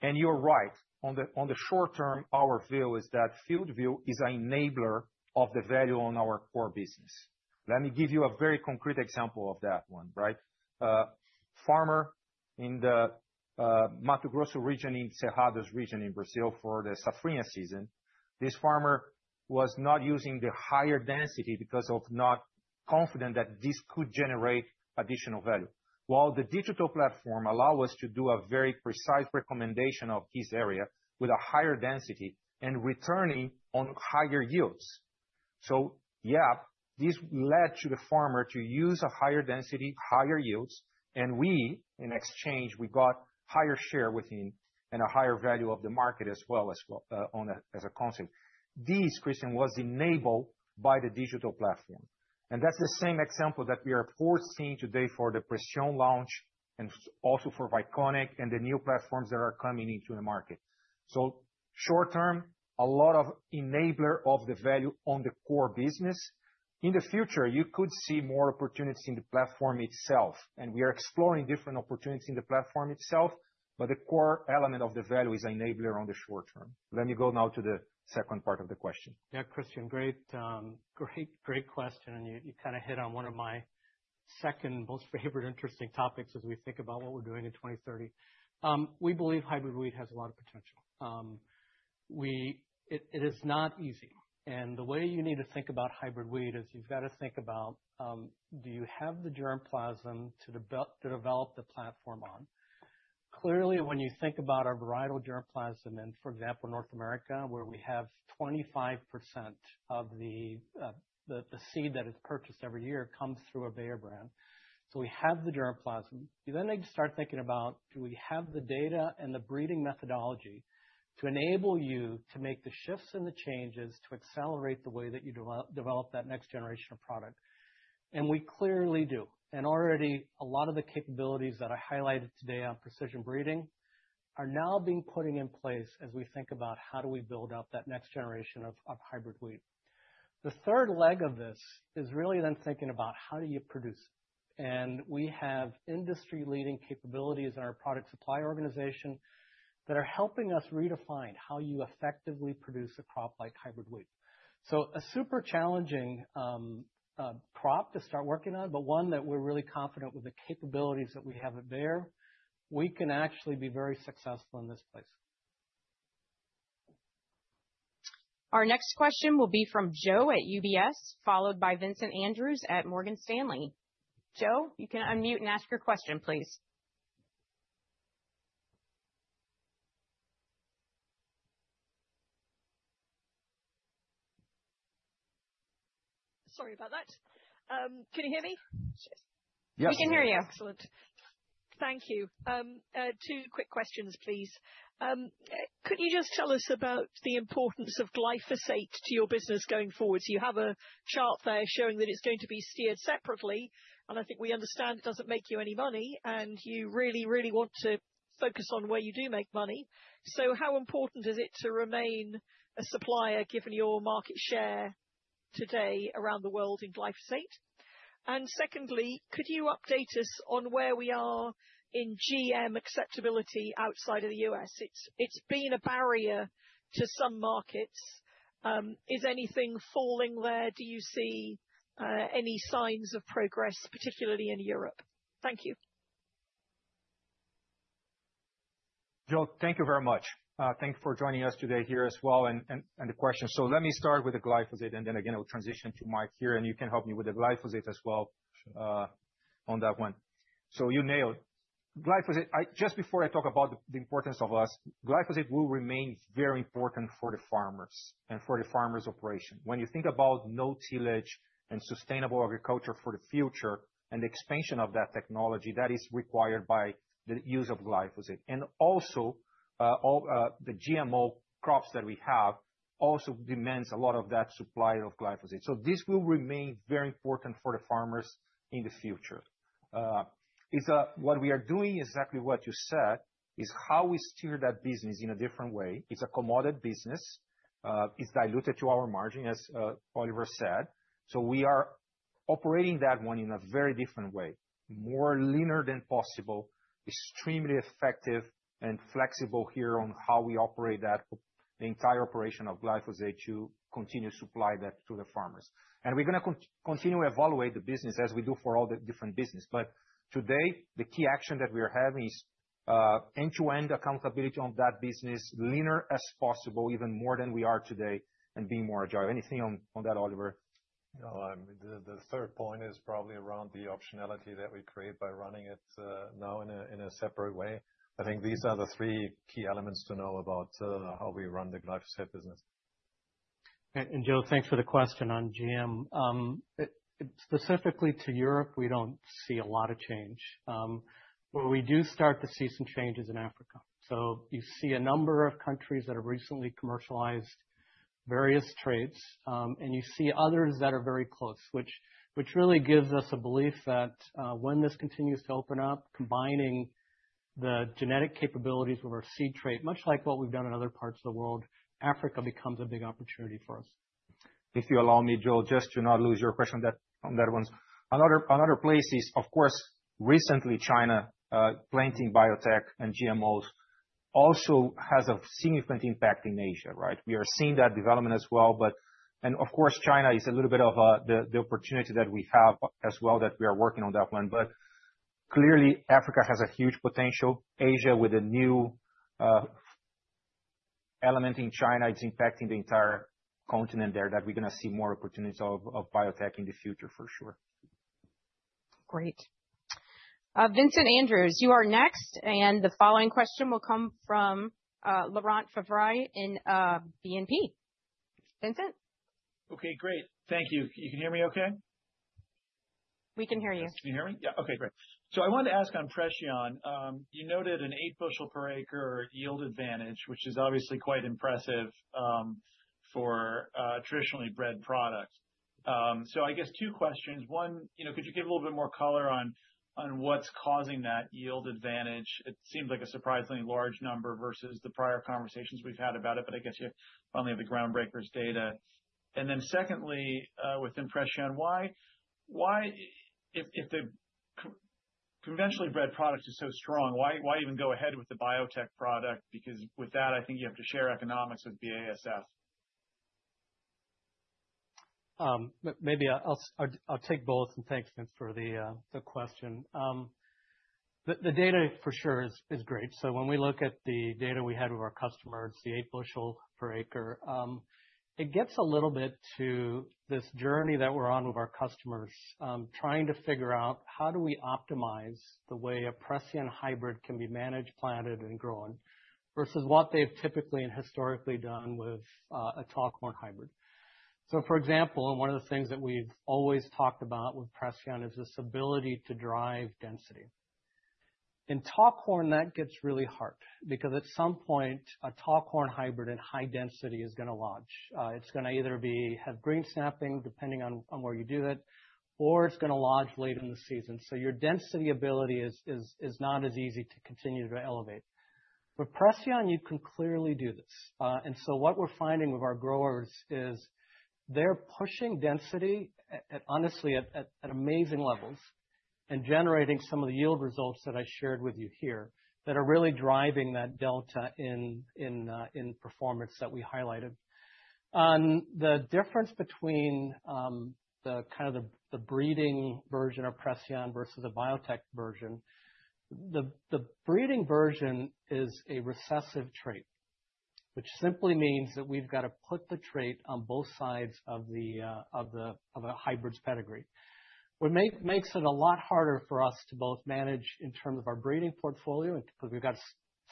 and you're right. In the short-term, our view is that FieldView is an enabler of the value on our core business. Let me give you a very concrete example of that one, right? A farmer in the Mato Grosso region in Cerrado region in Brazil for the safrinha season. This farmer was not using the higher density because of not confident that this could generate additional value. The digital platform allowed us to do a very precise recommendation of his area with a higher density and returning on higher yields. This led to the farmer to use a higher density, higher yields, and we, in exchange, we got a higher share within and a higher value of the market as well as a consumer. This, Christian, was enabled by the digital platform. That's the same example that we are foreseeing today for the PRECEON launch and also for Vyconic and the new platforms that are coming into the market. In the short-term, a lot of enabler of the value on the core business. In the future, you could see more opportunities in the platform itself, and we are exploring different opportunities in the platform itself, but the core element of the value is an enabler on the short-term. Let me go now to the second part of the question. Yeah, Christian, great question. You kind of hit on one of my second most favorite interesting topics as we think about what we're doing in 2030. We believe hybrid wheat has a lot of potential. It is not easy. The way you need to think about hybrid wheat is you've got to think about, do you have the germplasm to develop the platform on? Clearly, when you think about our varietal germplasm in, for example, North America, where we have 25% of the seed that is purchased every year comes through a Bayer brand. We have the germplasm. You then need to start thinking about, do we have the data and the breeding methodology to enable you to make the shifts and the changes to accelerate the way that you develop that next generation of product? We clearly do. Already, a lot of the capabilities that I highlighted today on PRECEON breeding are now being put in place as we think about how do we build out that next generation of hybrid wheat. The third leg of this is really then thinking about how do you produce it? We have industry-leading capabilities in our product supply organization that are helping us redefine how you effectively produce a crop like hybrid wheat. A super challenging crop to start working on, but one that we're really confident with the capabilities that we have at Bayer, we can actually be very successful in this place. Our next question will be from Jo at UBS, followed by Vincent Andrews at Morgan Stanley. Jo, you can unmute and ask your question, please. Sorry about that. Can you hear me? Yes. We can hear you. Excellent. Thank you. Two quick questions, please. Could you just tell us about the importance of glyphosate to your business going forward? You have a chart there showing that it's going to be steered separately, and I think we understand it doesn't make you any money, and you really, really want to focus on where you do make money. How important is it to remain a supplier given your market share today around the world in glyphosate? Secondly, could you update us on where we are in GM acceptability outside of the U.S.? It's been a barrier to some markets. Is anything falling there? Do you see any signs of progress, particularly in Europe? Thank you. Jo, thank you very much. Thanks for joining us today here as well and the questions. Let me start with the glyphosate, and then again, I'll transition to Mike here, and you can help me with the glyphosate as well on that one. You nailed it. Glyphosate, just before I talk about the importance of us, glyphosate will remain very important for the farmers and for the farmers' operation. When you think about no-tillage and sustainable agriculture for the future and the expansion of that technology that is required by the use of glyphosate, and also all the GMO crops that we have also demand a lot of that supply of glyphosate. This will remain very important for the farmers in the future. What we are doing is exactly what you said, is how we steer that business in a different way. It's a commodity business. It's diluted to our margin, as Oliver said. We are operating that one in a very different way, more linear than possible, extremely effective, and flexible here on how we operate that entire operation of glyphosate to continue to supply that to the farmers. We're going to continue to evaluate the business as we do for all the different businesses. Today, the key action that we are having is end-to-end accountability on that business, linear as possible, even more than we are today, and being more agile. Anything on that, Oliver? Yeah, the third point is probably around the optionality that we create by running it now in a separate way. I think these are the three key elements to know about how we run the glyphosate business. Thank you for the question on GM. Specifically to Europe, we don't see a lot of change. We do start to see some changes in Africa. You see a number of countries that have recently commercialized various traits, and you see others that are very close, which really gives us a belief that when this continues to open up, combining the genetic capabilities with our seed trait, much like what we've done in other parts of the world, Africa becomes a big opportunity for us. If you allow me, Jo, just to not lose your question on that one, another place is, of course, recently China planting biotech and GMOs also has a significant impact in Asia, right? We are seeing that development as well. Of course, China is a little bit of the opportunity that we have as well that we are working on that one. Clearly, Africa has a huge potential. Asia, with a new element in China, it's impacting the entire continent there that we're going to see more opportunities of biotech in the future, for sure. Great. Vincent Andrews, you are next, and the following question will come from Laurent Favre in BNP. Vincent? Okay, great. Thank you. You can hear me okay? We can hear you. Can you hear me? Yeah, okay, great. I wanted to ask on PRECEON. You noted an eight bushel per acre yield advantage, which is obviously quite impressive for a traditionally bred product. I guess two questions. One, could you give a little bit more color on what's causing that yield advantage? It seems like a surprisingly large number versus the prior conversations we've had about it, but I guess you finally have the groundbreakers data. Secondly, within PRECEON, if the conventionally bred product is so strong, why even go ahead with the biotech product? Because with that, I think you have to share economics with BASF. Maybe I'll take both and thanks, Vince, for the question. The data for sure is great. When we look at the data we had with our customers, the 8 bu per acre, it gets a little bit to this journey that we're on with our customers, trying to figure out how do we optimize the way a PRECEON hybrid can be managed, planted, and grown versus what they've typically and historically done with a tall corn hybrid. For example, one of the things that we've always talked about with PRECEON is this ability to drive density. In tall corn, that gets really hard because at some point, a tall corn hybrid in high density is going to lodge. It's going to either have green snapping, depending on where you do it, or it's going to lodge late in the season. Your density ability is not as easy to continue to elevate. With PRECEON, you can clearly do this. What we're finding with our growers is they're pushing density at, honestly, at amazing levels and generating some of the yield results that I shared with you here that are really driving that delta in performance that we highlighted. The difference between the breeding version of PRECEON versus a biotech version, the breeding version is a recessive trait, which simply means that we've got to put the trait on both sides of the hybrid's pedigree. That makes it a lot harder for us to both manage in terms of our breeding portfolio because we've got to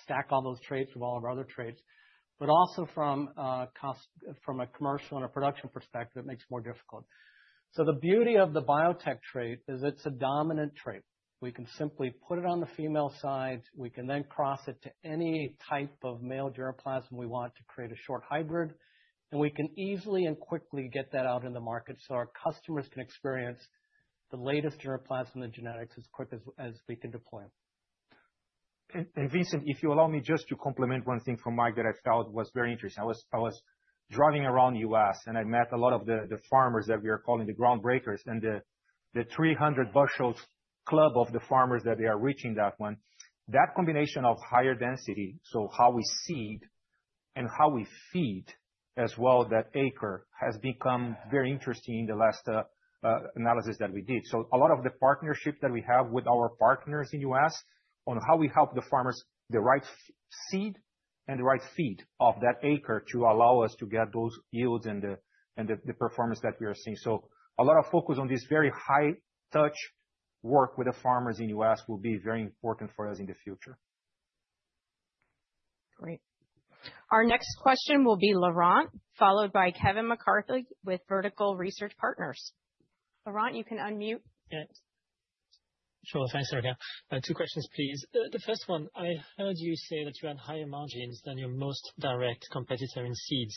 stack all those traits with all of our other traits, but also from a commercial and a production perspective, it makes it more difficult. The beauty of the biotech trait is it's a dominant trait. We can simply put it on the female side. We can then cross it to any type of male germplasm we want to create a short hybrid, and we can easily and quickly get that out in the market so our customers can experience the latest germplasm and genetics as quick as we can deploy them. Vincent, if you allow me just to complement one thing from Mike that I felt was very interesting. I was driving around the U.S., and I met a lot of the farmers that we are calling the groundbreakers and the 300 bu club of the farmers that they are reaching that one. That combination of higher density, so how we seed and how we feed as well that acre has become very interesting in the last analysis that we did. A lot of the partnership that we have with our partners in the U.S. on how we help the farmers the right seed and the right feed of that acre to allow us to get those yields and the performance that we are seeing. A lot of focus on this very high-touch work with the farmers in the U.S. will be very important for us in the future. Great. Our next question will be Laurent, followed by Kevin McCarthy with Vertical Research Partners. Laurent, you can unmute. Sure, thanks, Erica. Two questions, please. The first one, I heard you say that you had higher margins than your most direct competitor in seeds.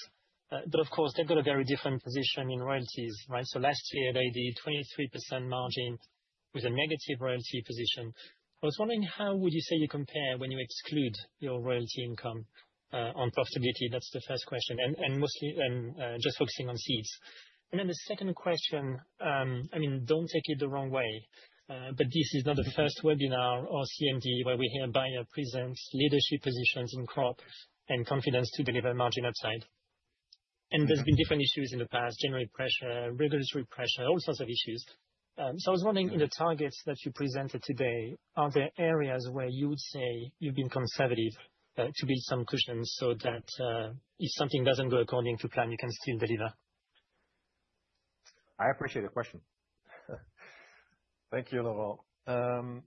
Of course, they've got a very different position in royalties, right? Last year, they did 23% margin with a negative royalty position. I was wondering how would you say you compare when you exclude your royalty income on profitability? That's the first question, mostly then just focusing on seeds. The second question, I mean, don't take it the wrong way, but this is not the first webinar or CMD where we hear Bayer presents leadership positions in crops and confidence to deliver margin upside. There have been different issues in the past, generic pressure, regulatory pressure, all sorts of issues. I was wondering in the targets that you presented today, are there areas where you would say you've been conservative to beat some cushions so that if something doesn't go according to plan, you can still deliver? I appreciate the question. Thank you, Laurent.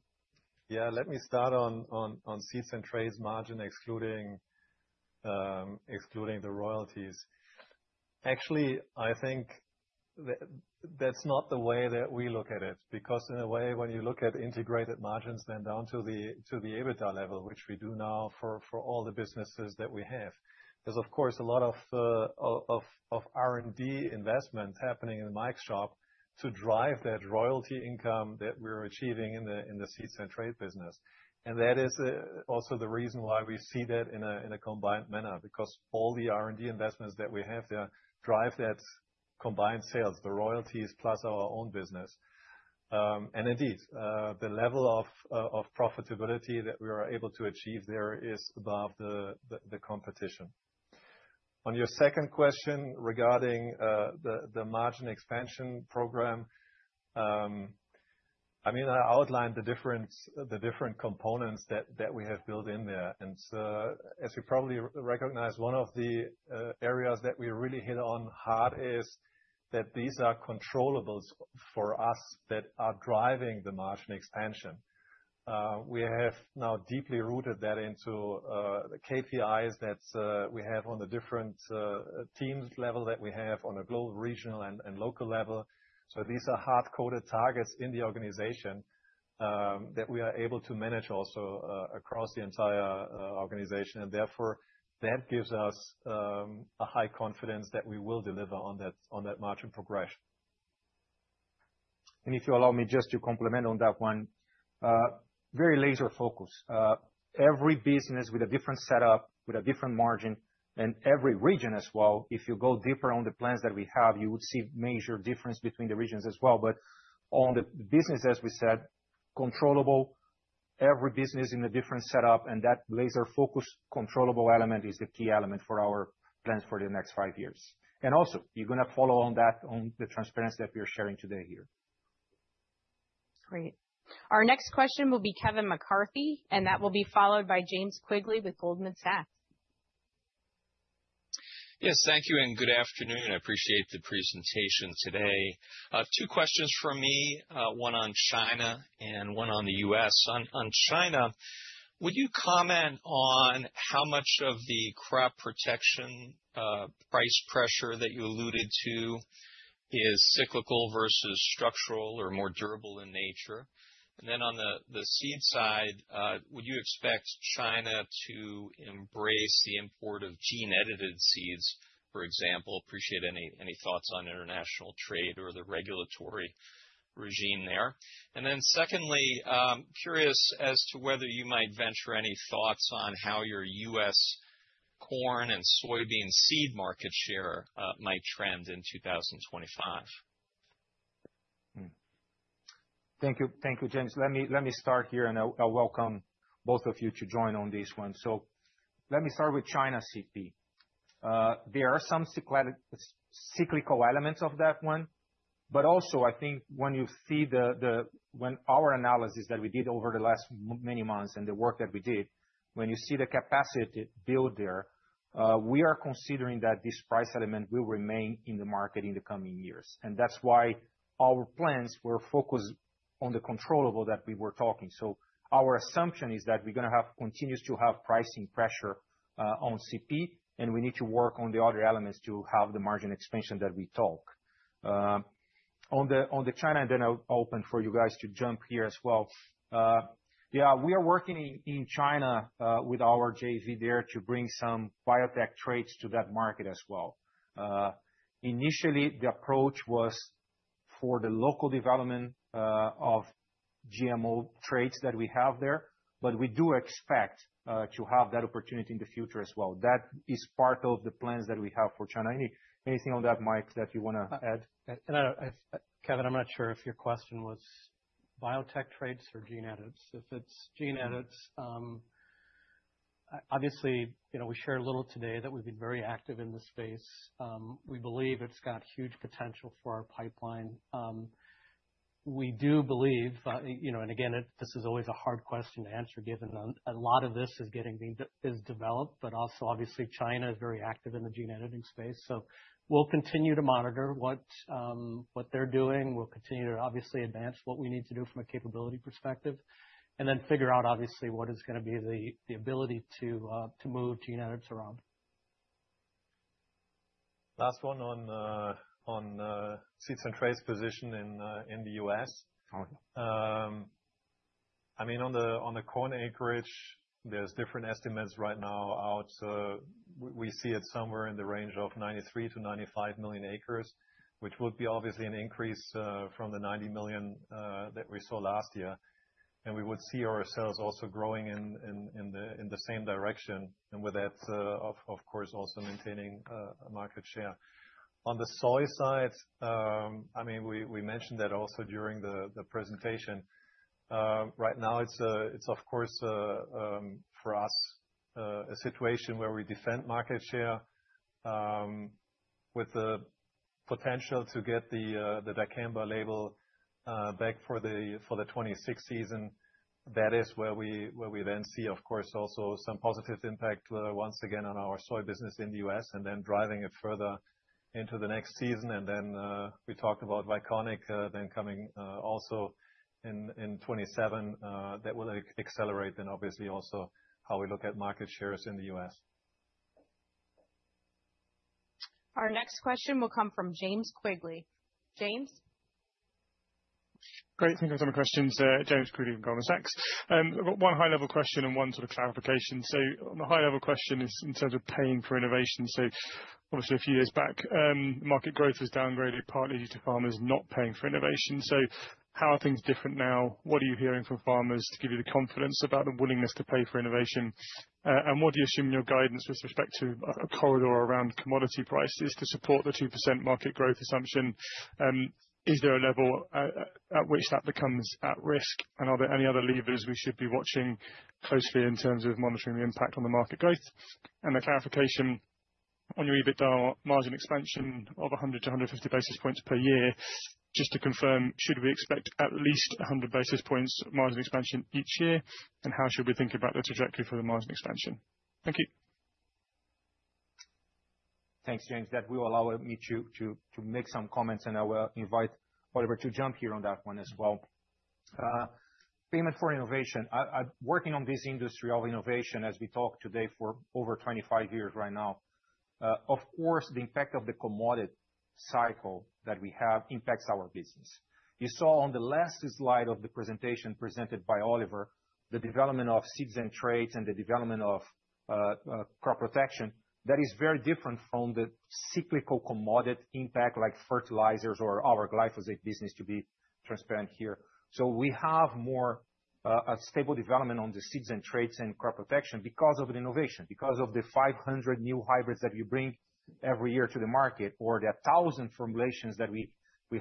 Yeah, let me start on seeds and traits margin excluding the royalties. Actually, I think that's not the way that we look at it because in a way, when you look at integrated margins then down to the EBITDA level, which we do now for all the businesses that we have, there's of course a lot of R&D investments happening in Mike's shop to drive that royalty income that we're achieving in the seeds and traits business. That is also the reason why we see that in a combined manner because all the R&D investments that we have there drive that combined sales, the royalties plus our own business. Indeed, the level of profitability that we are able to achieve there is above the competition. On your second question regarding the margin expansion program, I outlined the different components that we have built in there. As you probably recognize, one of the areas that we really hit on hard is that these are controllables for us that are driving the margin expansion. We have now deeply rooted that into the KPIs that we have on the different team levels that we have on a global, regional, and local level. These are hard-coded targets in the organization that we are able to manage also across the entire organization. Therefore, that gives us a high confidence that we will deliver on that margin progression. If you allow me just to complement on that one, very laser-focused. Every business with a different setup, with a different margin, and every region as well. If you go deeper on the plans that we have, you would see a major difference between the regions as well. On the business, as we said, controllable. Every business in a different setup, and that laser-focused controllable element is the key element for our plan for the next five years. Also, you're going to follow on that on the transparency that we are sharing today here. Great. Our next question will be Kevin McCarthy, and that will be followed by James Quigley with Goldman Sachs. Yes, thank you and good afternoon. I appreciate the presentation today. Two questions from me, one on China and one on the U.S. On China, would you comment on how much of the crop protection price pressure that you alluded to is cyclical versus structural or more durable in nature? On the seed side, would you expect China to embrace the import of gene-edited seeds, for example? I appreciate any thoughts on international trade or the regulatory regime there. Secondly, I'm curious as to whether you might venture any thoughts on how your U.S. corn and soybean seed market share might trend in 2025. Thank you, James. Let me start here and I'll welcome both of you to join on this one. Let me start with China CP. There are some cyclical elements of that one, but also I think when you see our analysis that we did over the last many months and the work that we did, when you see the capacity built there, we are considering that this price element will remain in the market in the coming years. That's why our plans were focused on the controllable that we were talking. Our assumption is that we're going to have continuous pricing pressure on CP, and we need to work on the other elements to have the margin expansion that we talk. On the China, I'll open for you guys to jump here as well. We are working in China with our JV there to bring some biotech traits to that market as well. Initially, the approach was for the local development of GMO traits that we have there, but we do expect to have that opportunity in the future as well. That is part of the plans that we have for China. Anything on that, Mike, that you want to add? Kevin, I'm not sure if your question was biotech traits or gene edits. If it's gene edits, obviously, you know, we share a little today that we've been very active in this space. We believe it's got huge potential for our pipeline. We do believe, you know, this is always a hard question to answer given a lot of this is getting developed, but also obviously China is very active in the gene editing space. We will continue to monitor what they're doing. We will continue to obviously advance what we need to do from a capability perspective and then figure out obviously what is going to be the ability to move gene edits around. Last one on seeds and traits position in the U.S. I mean, on the corn acreage, there's different estimates right now out. We see it somewhere in the range of 93-95 million acres, which would be obviously an increase from the 90 million that we saw last year. We would see ourselves also growing in the same direction, and with that, of course, also maintaining market share. On the soy side, I mean, we mentioned that also during the presentation. Right now, it's of course for us a situation where we defend market share with the potential to get the Dicamba label back for the 2026 season. That is where we then see, of course, also some positive impact once again on our soy business in the U.S. and then driving it further into the next season. We talked about Vyconic then coming also in 2027. That will accelerate then obviously also how we look at market shares in the U.S. Our next question will come from James Quigley. James? Great, thank you for my questions, James Quigley, Goldman Sachs. I've got one high-level question and one sort of clarification. The high-level question is instead of paying for innovation, obviously a few years back, the market growth has downgraded partly due to farmers not paying for innovation. How are things different now? What are you hearing from farmers to give you the confidence about the willingness to pay for innovation? What do you assume in your guidance with respect to a corridor around commodity prices to support the 2% market growth assumption? Is there a level at which that becomes at risk? Are there any other levers we should be watching, mostly in terms of monitoring the impact on the market growth? The clarification on your EBITDA margin expansion of 100-150 basis points per year, just to confirm, should we expect at least 100 basis points margin expansion each year? How should we think about the trajectory for the margin expansion? Thank you. Thanks, James. We will allow me to make some comments, and I will invite Oliver to jump here on that one as well. Payment for innovation. I'm working on this industry of innovation as we talk today for over 25 years right now. Of course, the impact of the commodity cycle that we have impacts our business. You saw on the last slide of the presentation presented by Oliver, the development of seeds and traits and the development of crop protection, that is very different from the cyclical commodity impact like fertilizers or our glyphosate business, to be transparent here. We have more stable development on the seeds and traits and crop protection because of the innovation, because of the 500 new hybrids that we bring every year to the market or the 1,000 formulations that we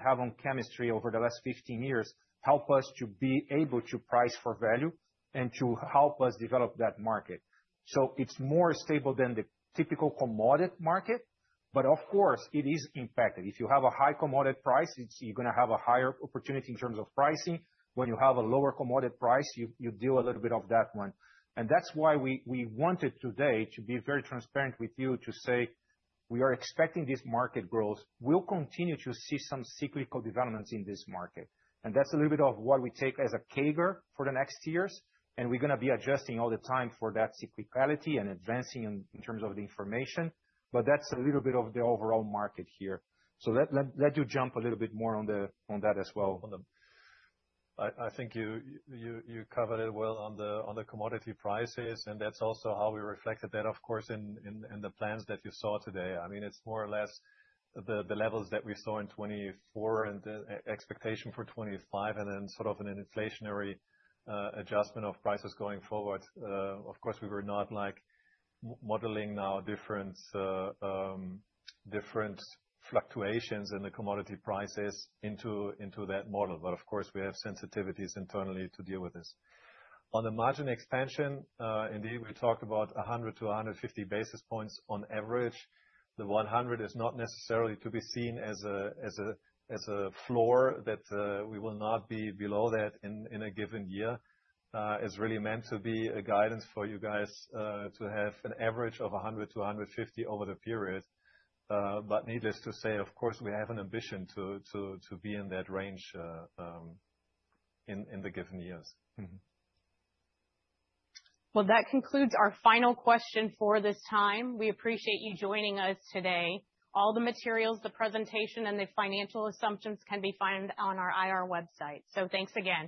have on chemistry over the last 15 years help us to be able to price for value and to help us develop that market. It's more stable than the typical commodity market, but of course, it is impacted. If you have a high commodity price, you're going to have a higher opportunity in terms of pricing. When you have a lower commodity price, you deal a little bit of that one. That's why we wanted today to be very transparent with you to say we are expecting this market growth. We'll continue to see some cyclical developments in this market. That's a little bit of what we take as a caveat for the next years. We're going to be adjusting all the time for that cyclicality and advancing in terms of the information. That's a little bit of the overall market here. Let Oliver jump a little bit more on that as well. I think you covered it well on the commodity prices. That's also how we reflected that, of course, in the plans that you saw today. I mean, it's more or less the levels that we saw in 2024 and the expectation for 2025 and then sort of an inflationary adjustment of prices going forward. Of course, we were not like modeling now different fluctuations in the commodity prices into that model. Of course, we have sensitivities internally to deal with this. On the margin expansion, indeed, we talked about 100-150 basis points on average. The 100 is not necessarily to be seen as a floor that we will not be below that in a given year. It's really meant to be a guidance for you guys to have an average of 100-150 over the period. Needless to say, of course, we have an ambition to be in that range in the given years. That concludes our final question for this time. We appreciate you joining us today. All the materials, the presentation, and the financial assumptions can be found on our IR website. Thanks again.